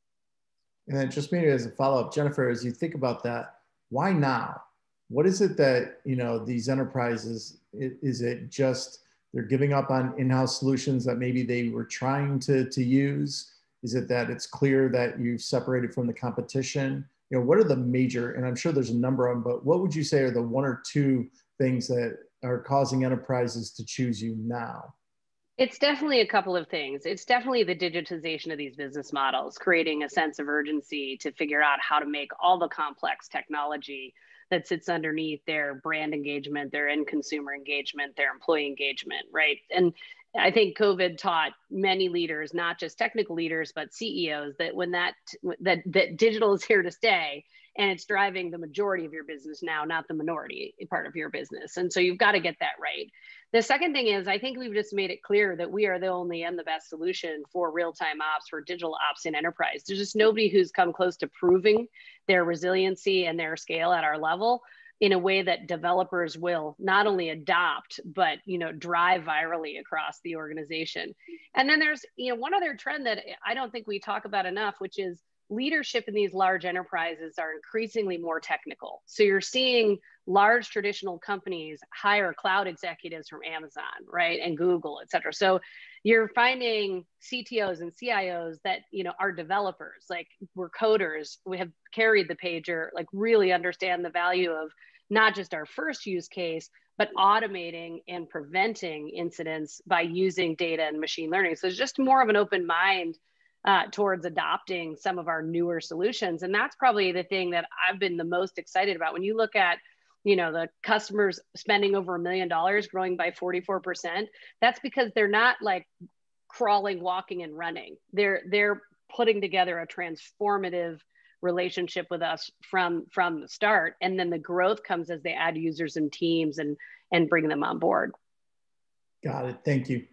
I: Just maybe as a follow-up, Jennifer, as you think about that, why now? What is it that these enterprises, is it just they're giving up on in-house solutions that maybe they were trying to use? Is it that it's clear that you've separated from the competition? What are the major, and I'm sure there's a number of them, but what would you say are the one or two things that are causing enterprises to choose you now?
B: It's definitely a couple of things. It's definitely the digitization of these business models, creating a sense of urgency to figure out how to make all the complex technology that sits underneath their brand engagement, their end consumer engagement, their employee engagement, right? I think COVID taught many leaders, not just technical leaders, but CEOs, that digital is here to stay, and it's driving the majority of your business now, not the minority part of your business, and so you've got to get that right. The second thing is, I think we've just made it clear that we are the only and the best solution for real-time ops, for digital ops in enterprise. There's just nobody who's come close to proving their resiliency and their scale at our level in a way that developers will not only adopt but drive virally across the organization. There's one other trend that I don't think we talk about enough, which is leadership in these large enterprises are increasingly more technical. You're seeing large traditional companies hire cloud executives from Amazon, right, and Google, et cetera. You're finding CTOs and CIOs that are developers, like "We're coders. We have carried the pager." Like, really understand the value of not just our first use case, but automating and preventing incidents by using data and machine learning. There's just more of an open mind towards adopting some of our newer solutions, and that's probably the thing that I've been the most excited about. When you look at the customers spending over $1 million growing by 44%, that's because they're not crawling, walking, and running. They're putting together a transformative relationship with us from the start, and then the growth comes as they add users and teams and bring them on board.
I: Got it. Thank you.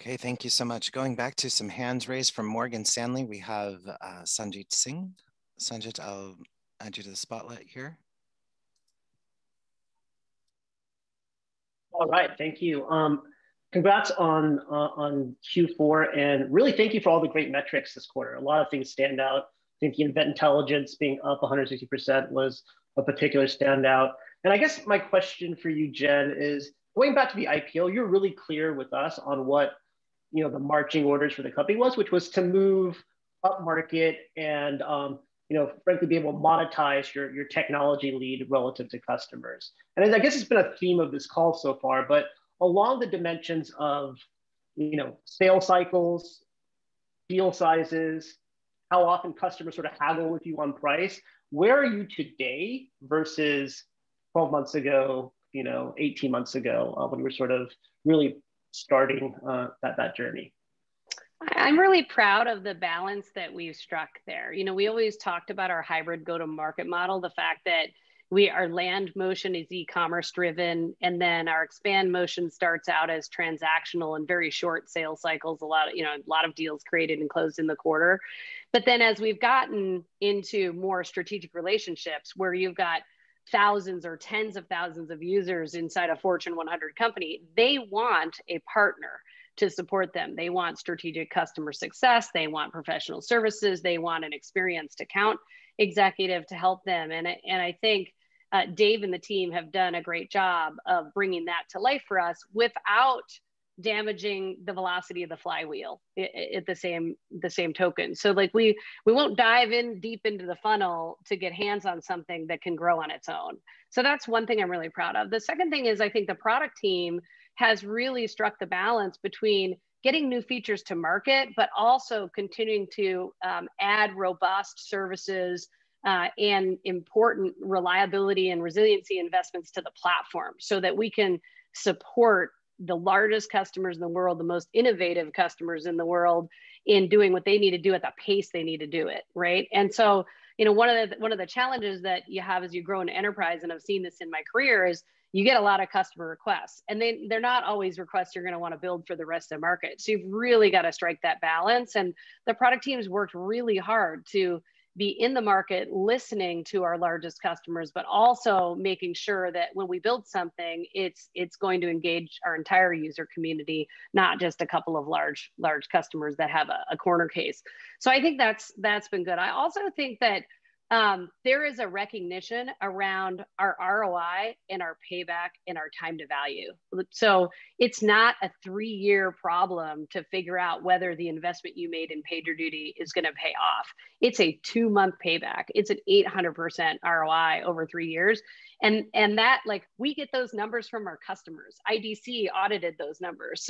D: Okay. Thank you so much. Going back to some hands raised from Morgan Stanley, we have Sanjit Singh. Sanjit, I'll add you to the spotlight here.
J: All right. Thank you. Congrats on Q4, really thank you for all the great metrics this quarter. A lot of things stand out. I think Event Intelligence being up 160% was a particular standout. I guess my question for you, Jen, is going back to the IPO, you were really clear with us on what the marching orders for the company was, which was to move upmarket and frankly, be able to monetize your technology lead relative to customers. I guess it's been a theme of this call so far, but along the dimensions of sale cycles, deal sizes, how often customers sort of haggle with you on price, where are you today versus 12 months ago, 18 months ago, when we were sort of really starting that journey?
B: I'm really proud of the balance that we've struck there. We always talked about our hybrid go-to-market model, the fact that our land motion is e-commerce driven, and then our expand motion starts out as transactional and very short sales cycles, a lot of deals created and closed in the quarter. As we've gotten into more strategic relationships, where you've got thousands or tens of thousands of users inside a Fortune 100 company, they want a partner to support them. They want strategic customer success. They want professional services. They want an experienced account executive to help them, and I think Dave and the team have done a great job of bringing that to life for us without damaging the velocity of the flywheel, at the same token. We won't dive in deep into the funnel to get hands on something that can grow on its own. That's one thing I'm really proud of. The second thing is I think the product team has really struck the balance between getting new features to market, but also continuing to add robust services, and important reliability and resiliency investments to the platform so that we can support the largest customers in the world, the most innovative customers in the world, in doing what they need to do at the pace they need to do it, right? One of the challenges that you have as you grow an enterprise, and I've seen this in my career, is you get a lot of customer requests, and they're not always requests you're going to want to build for the rest of the market. You've really got to strike that balance, and the product team's worked really hard to be in the market listening to our largest customers, but also making sure that when we build something, it's going to engage our entire user community, not just a couple of large customers that have a corner case. I think that's been good. I also think that there is a recognition around our ROI and our payback and our time to value. It's not a three-year problem to figure out whether the investment you made in PagerDuty is going to pay off. It's a two-month payback. It's an 800% ROI over three years. We get those numbers from our customers. IDC audited those numbers.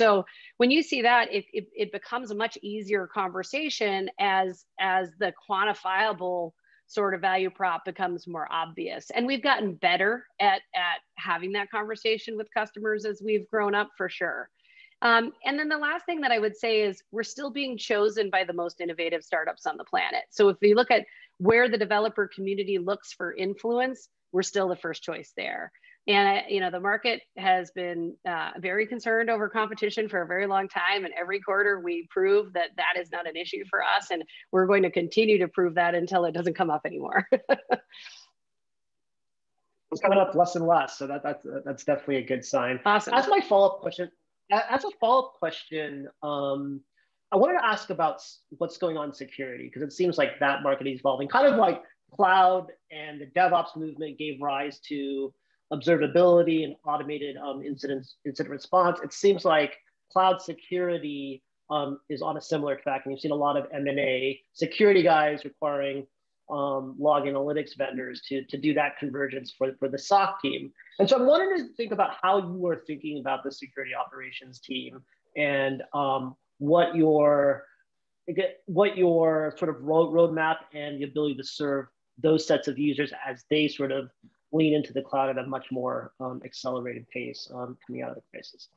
B: When you see that, it becomes a much easier conversation as the quantifiable value prop becomes more obvious. We've gotten better at having that conversation with customers as we've grown up, for sure. The last thing that I would say is we're still being chosen by the most innovative startups on the planet. If we look at where the developer community looks for influence, we're still the first choice there. The market has been very concerned over competition for a very long time, and every quarter we prove that that is not an issue for us, and we're going to continue to prove that until it doesn't come up anymore.
J: It's coming up less and less, so that's definitely a good sign.
B: Awesome.
J: As a follow-up question, I wanted to ask about what's going on in security, because it seems like that market is evolving. Kind of like cloud and the DevOps movement gave rise to observability and automated incident response. It seems like cloud security is on a similar track. We've seen a lot of M&A security guys requiring log analytics vendors to do that convergence for the SOC team. I'm wondering, think about how you are thinking about the security operations team and what your roadmap and the ability to serve those sets of users as they lean into the cloud at a much more accelerated pace coming out of the crisis.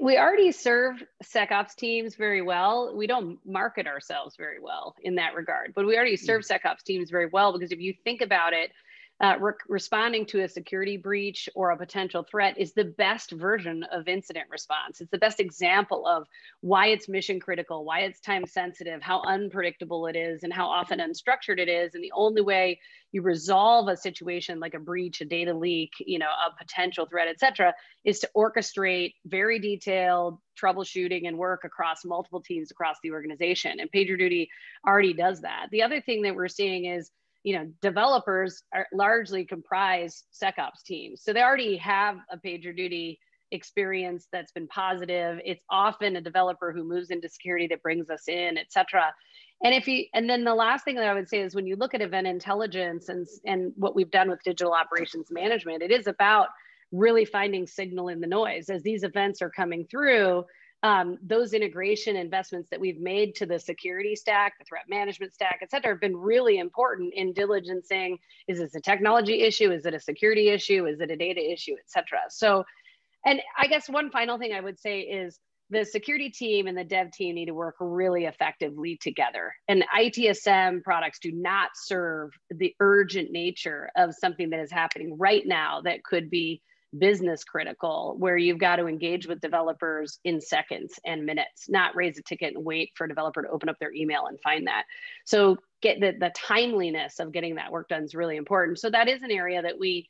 B: We already serve SecOps teams very well. We don't market ourselves very well in that regard, we already serve SecOps teams very well because if you think about it, responding to a security breach or a potential threat is the best version of incident response. It's the best example of why it's mission-critical, why it's time-sensitive, how unpredictable it is, and how often unstructured it is. The only way you resolve a situation like a breach, a data leak, a potential threat, et cetera, is to orchestrate very detailed troubleshooting and work across multiple teams across the organization. PagerDuty already does that. The other thing that we're seeing is developers largely comprise SecOps teams. They already have a PagerDuty experience that's been positive. It's often a developer who moves into security that brings us in, et cetera. The last thing that I would say is when you look at Event Intelligence and what we've done with Digital Operations Management, it is about really finding signal in the noise. As these events are coming through, those integration investments that we've made to the security stack, the threat management stack, et cetera, have been really important in diligencing, is this a technology issue? Is it a security issue? Is it a data issue, et cetera? I guess one final thing I would say is the security team and the dev team need to work really effectively together, and the ITSM products do not serve the urgent nature of something that is happening right now that could be business critical, where you've got to engage with developers in seconds and minutes, not raise a ticket and wait for a developer to open up their email and find that. Get the timeliness of getting that work done is really important. That is an area that we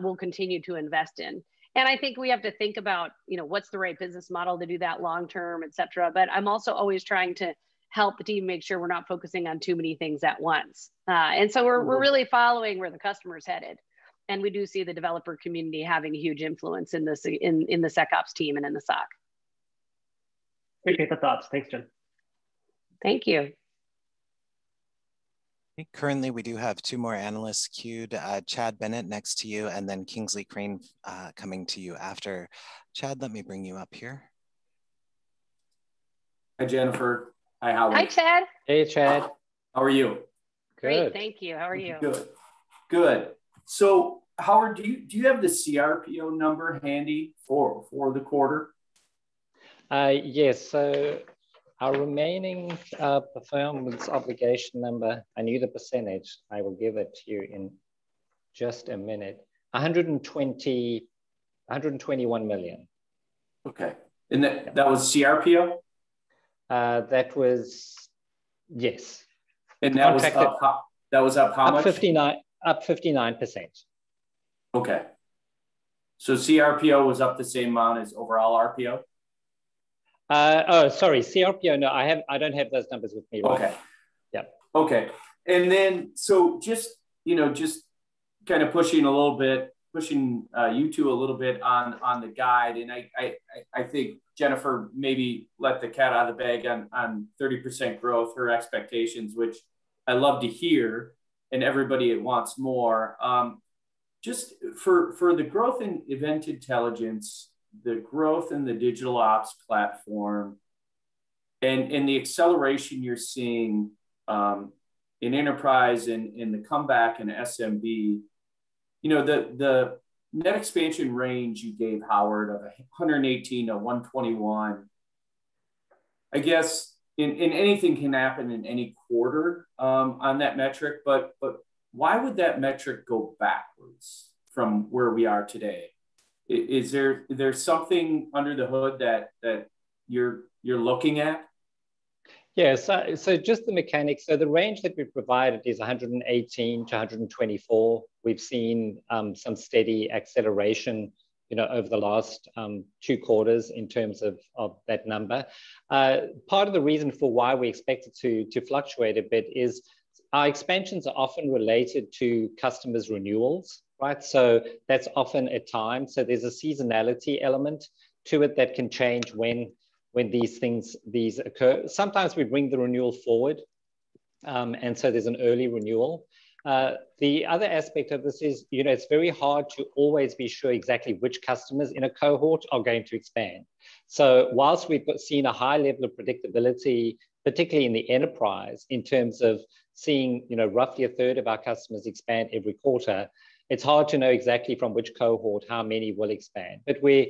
B: will continue to invest in. I think we have to think about what's the right business model to do that long term, et cetera. I'm also always trying to help the team make sure we're not focusing on too many things at once. We're really following where the customer's headed, and we do see the developer community having a huge influence in the SecOps team and in the SOC.
J: Appreciate the thoughts. Thanks, Jen.
B: Thank you.
D: I think currently we do have two more analysts queued. Chad Bennett next to you, and then Kingsley Crane coming to you after. Chad, let me bring you up here.
K: Hi, Jennifer. Hi, Howard.
B: Hi, Chad.
C: Hey, Chad.
K: How are you?
C: Good.
B: Great, thank you. How are you?
K: Good. Howard, do you have the CRPO number handy for the quarter?
C: Yes. Our remaining performance obligation number, I need a percentage. I will give it to you in just a minute. $121 million.
K: Okay. That was CRPO?
C: That was Yes.
K: That was up how much?
C: Up 59%.
K: Okay. CRPO was up the same amount as overall RPO?
C: Oh, sorry. CRPO, no, I don't have those numbers with me.
K: Okay.
C: Yeah.
K: Okay. Just pushing a little bit, pushing you two a little bit on the guide. I think Jennifer maybe let the cat out of the bag on 30% growth, her expectations, which I love to hear, and everybody wants more. Just for the growth in Event Intelligence, the growth in the digital ops platform, the acceleration you're seeing in enterprise and the comeback in SMB, the net expansion range you gave, Howard, of 118%-121%, I guess, anything can happen in any quarter on that metric, why would that metric go backwards from where we are today? Is there something under the hood that you're looking at?
C: Yeah. Just the mechanics. The range that we've provided is 118%-124%. We've seen some steady acceleration over the last two quarters in terms of that number. Part of the reason for why we expect it to fluctuate a bit is our expansions are often related to customers' renewals, right? That's often a time, so there's a seasonality element to it that can change when these occur. Sometimes we bring the renewal forward, and so there's an early renewal. The other aspect of this is it's very hard to always be sure exactly which customers in a cohort are going to expand. Whilst we've seen a high level of predictability, particularly in the enterprise in terms of seeing roughly a third of our customers expand every quarter, it's hard to know exactly from which cohort how many will expand. We're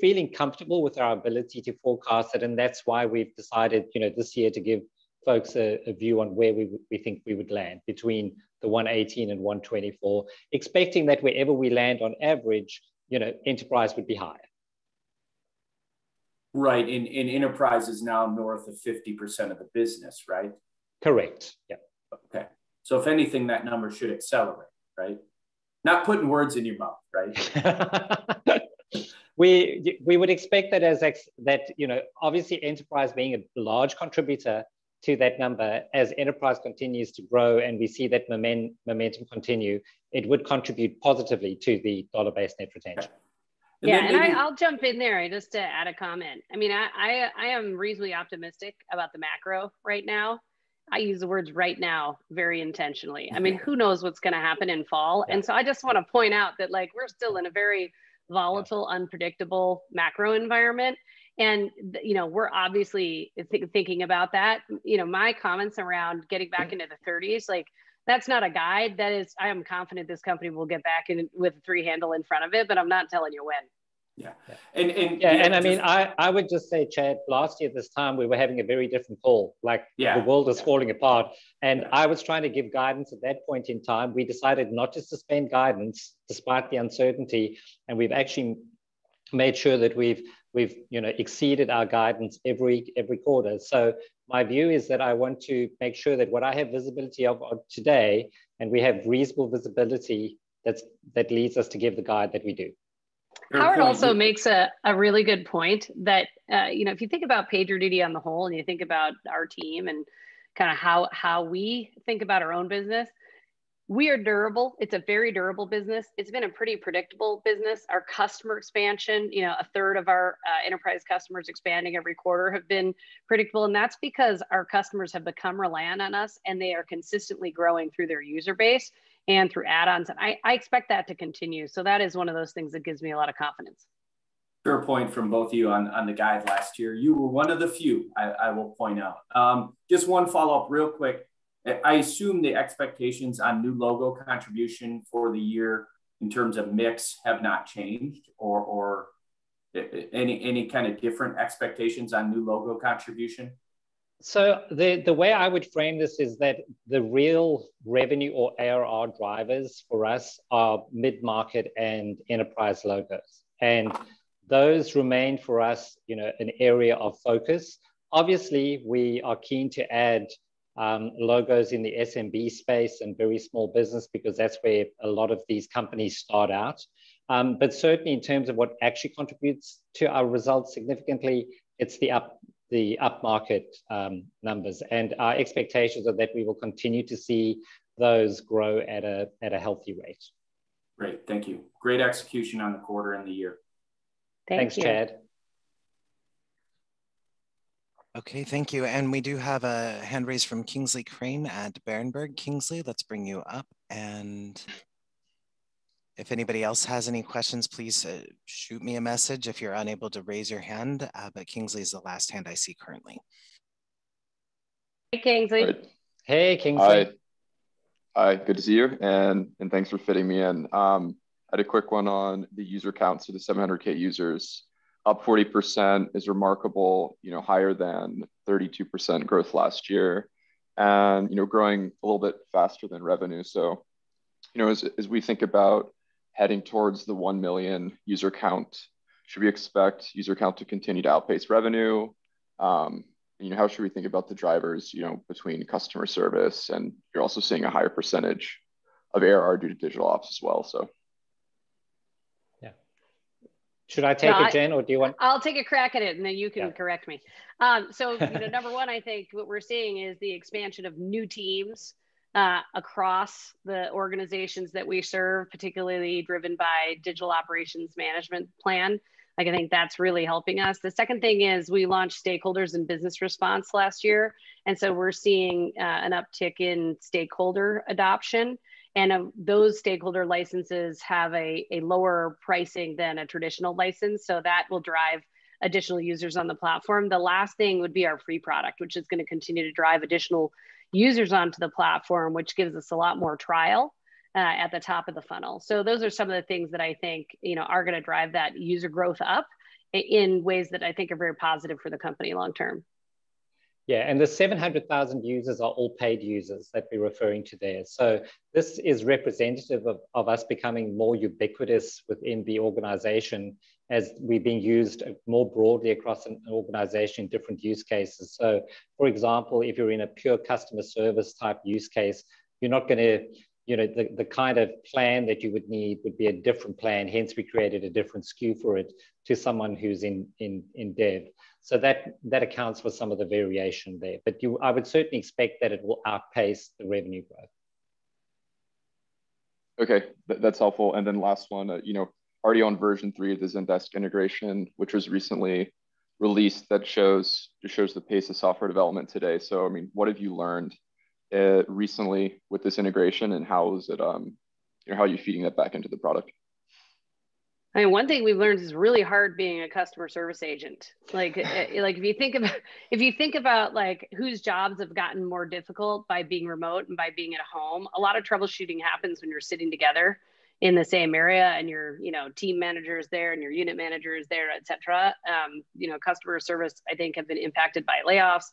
C: feeling comfortable with our ability to forecast it, and that's why we've decided this year to give folks a view on where we think we would land between the 118 and 124, expecting that wherever we land on average, enterprise would be higher.
K: Right. Enterprise is now north of 50% of the business, right?
C: Correct. Yeah.
K: Okay. If anything, that number should accelerate, right? Not putting words in your mouth, right?
C: We would expect that, obviously enterprise being a large contributor to that number, as enterprise continues to grow and we see that momentum continue, it would contribute positively to the dollar-based net retention.
K: Okay.
B: Yeah. I'll jump in there just to add a comment. I am reasonably optimistic about the macro right now. I use the words "right now" very intentionally.
C: Yeah.
B: Who knows what's going to happen in fall?
C: Yeah.
B: I just want to point out that we are still in a very volatile, unpredictable macro environment, and we are obviously thinking about that. My comments around getting back into the 30s, that is not a guide. That is, I am confident this company will get back with a three handle in front of it, but I am not telling you when.
K: Yeah.
C: Yeah. I would just say, Chad, last year this time we were having a very different call, like-
K: Yeah
C: The world is falling apart, and I was trying to give guidance at that point in time. We decided not to suspend guidance despite the uncertainty, and we've actually made sure that we've exceeded our guidance every quarter. My view is that I want to make sure that what I have visibility of today, and we have reasonable visibility that leads us to give the guide that we do.
B: Howard also makes a really good point that, if you think about PagerDuty on the whole, and you think about our team and how we think about our own business, we are durable. It's a very durable business. It's been a pretty predictable business. Our customer expansion, a third of our enterprise customers expanding every quarter, have been predictable, and that's because our customers have become reliant on us, and they are consistently growing through their user base and through add-ons, and I expect that to continue. That is one of those things that gives me a lot of confidence.
K: Fair point from both of you on the guide last year. You were one of the few, I will point out. Just one follow-up real quick. I assume the expectations on new logo contribution for the year in terms of mix have not changed, or any kind of different expectations on new logo contribution?
C: The way I would frame this is that the real revenue or ARR drivers for us are mid-market and enterprise logos, and those remain for us an area of focus. We are keen to add logos in the SMB space and very small business, because that's where a lot of these companies start out. Certainly in terms of what actually contributes to our results significantly, it's the upmarket numbers, and our expectations are that we will continue to see those grow at a healthy rate.
K: Great. Thank you. Great execution on the quarter and the year.
B: Thank you.
C: Thanks, Chad.
D: Okay. Thank you. We do have a hand raised from Kingsley Crane at Berenberg. Kingsley, let's bring you up, and if anybody else has any questions, please shoot me a message if you're unable to raise your hand. Kingsley is the last hand I see currently.
B: Hey, Kingsley.
C: Hey, Kingsley.
L: Hi. Good to see you, and thanks for fitting me in. I had a quick one on the user count, so the 700,000 users, up 40% is remarkable, higher than 32% growth last year, and growing a little bit faster than revenue. As we think about heading towards the 1 million user count, should we expect user count to continue to outpace revenue? How should we think about the drivers between customer service, and you're also seeing a higher percentage of ARR due to digital ops as well.
C: Yeah. Should I take it, Jen, or do you want-
B: I'll take a crack at it, and then you can correct me.
C: Yeah.
B: Number one, I think what we're seeing is the expansion of new teams across the organizations that we serve, particularly driven by Digital Operations Management plan. I think that's really helping us. The second thing is we launched stakeholders in business response last year, and so we're seeing an uptick in stakeholder adoption. Those stakeholder licenses have a lower pricing than a traditional license, so that will drive additional users on the platform. The last thing would be our free product, which is going to continue to drive additional users onto the platform, which gives us a lot more trial at the top of the funnel. Those are some of the things that I think are going to drive that user growth up in ways that I think are very positive for the company long term.
C: Yeah, the 700,000 users are all paid users that we're referring to there. This is representative of us becoming more ubiquitous within the organization as we're being used more broadly across an organization, different use cases. For example, if you're in a pure customer service type use case, the kind of plan that you would need would be a different plan, hence we created a different SKU for it to someone who's in dev. That accounts for some of the variation there. I would certainly expect that it will outpace the revenue growth.
L: Okay. That's helpful. Last one. Already on version three of the Zendesk integration, which was recently released, that shows the pace of software development today. What have you learned recently with this integration, and how are you feeding that back into the product?
B: One thing we've learned is it's really hard being a customer service agent. If you think about whose jobs have gotten more difficult by being remote and by being at home, a lot of troubleshooting happens when you're sitting together in the same area, and your team manager is there, and your unit manager is there, et cetera. Customer service, I think, have been impacted by layoffs.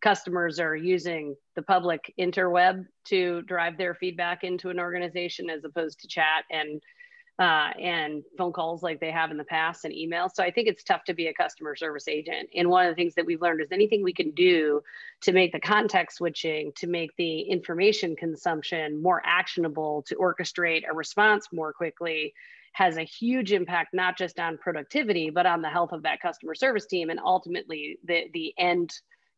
B: Customers are using the public interweb to drive their feedback into an organization as opposed to chat and phone calls like they have in the past, and email. I think it's tough to be a customer service agent. One of the things that we've learned is anything we can do to make the context switching, to make the information consumption more actionable, to orchestrate a response more quickly, has a huge impact, not just on productivity, but on the health of that customer service team, and ultimately, the end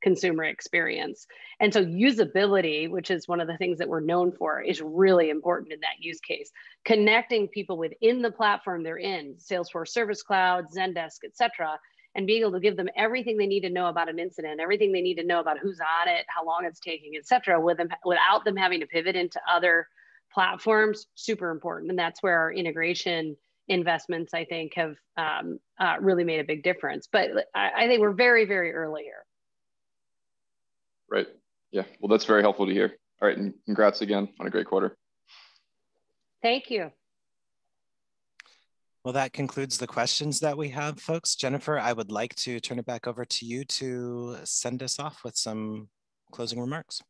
B: consumer experience. Usability, which is one of the things that we're known for, is really important in that use case. Connecting people within the platform they're in, Salesforce Service Cloud, Zendesk, et cetera, and being able to give them everything they need to know about an incident, everything they need to know about who's on it, how long it's taking, et cetera, without them having to pivot into other platforms, super important, and that's where our integration investments, I think, have really made a big difference. I think we're very early here.
L: Right. Yeah. Well, that's very helpful to hear. All right, congrats again on a great quarter.
B: Thank you.
D: Well, that concludes the questions that we have, folks. Jennifer, I would like to turn it back over to you to send us off with some closing remarks.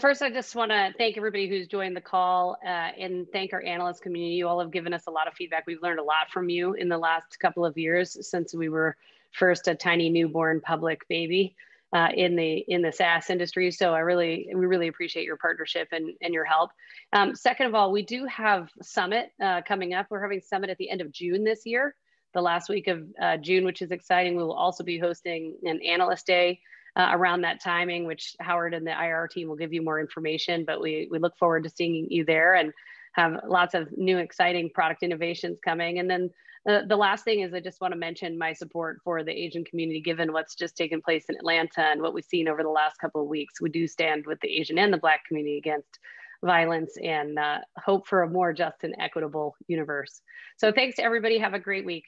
B: First, I just want to thank everybody who's joined the call, and thank our analyst community. You all have given us a lot of feedback. We've learned a lot from you in the last couple of years since we were first a tiny newborn public baby in the SaaS industry. We really appreciate your partnership and your help. Second of all, we do have Summit coming up. We're having Summit at the end of June this year. The last week of June, which is exciting. We will also be hosting an analyst day around that timing, which Howard and the IR team will give you more information, but we look forward to seeing you there and have lots of new, exciting product innovations coming. The last thing is I just want to mention my support for the Asian community, given what's just taken place in Atlanta and what we've seen over the last couple of weeks. We do stand with the Asian and the Black community against violence and hope for a more just and equitable universe. Thanks to everybody. Have a great week.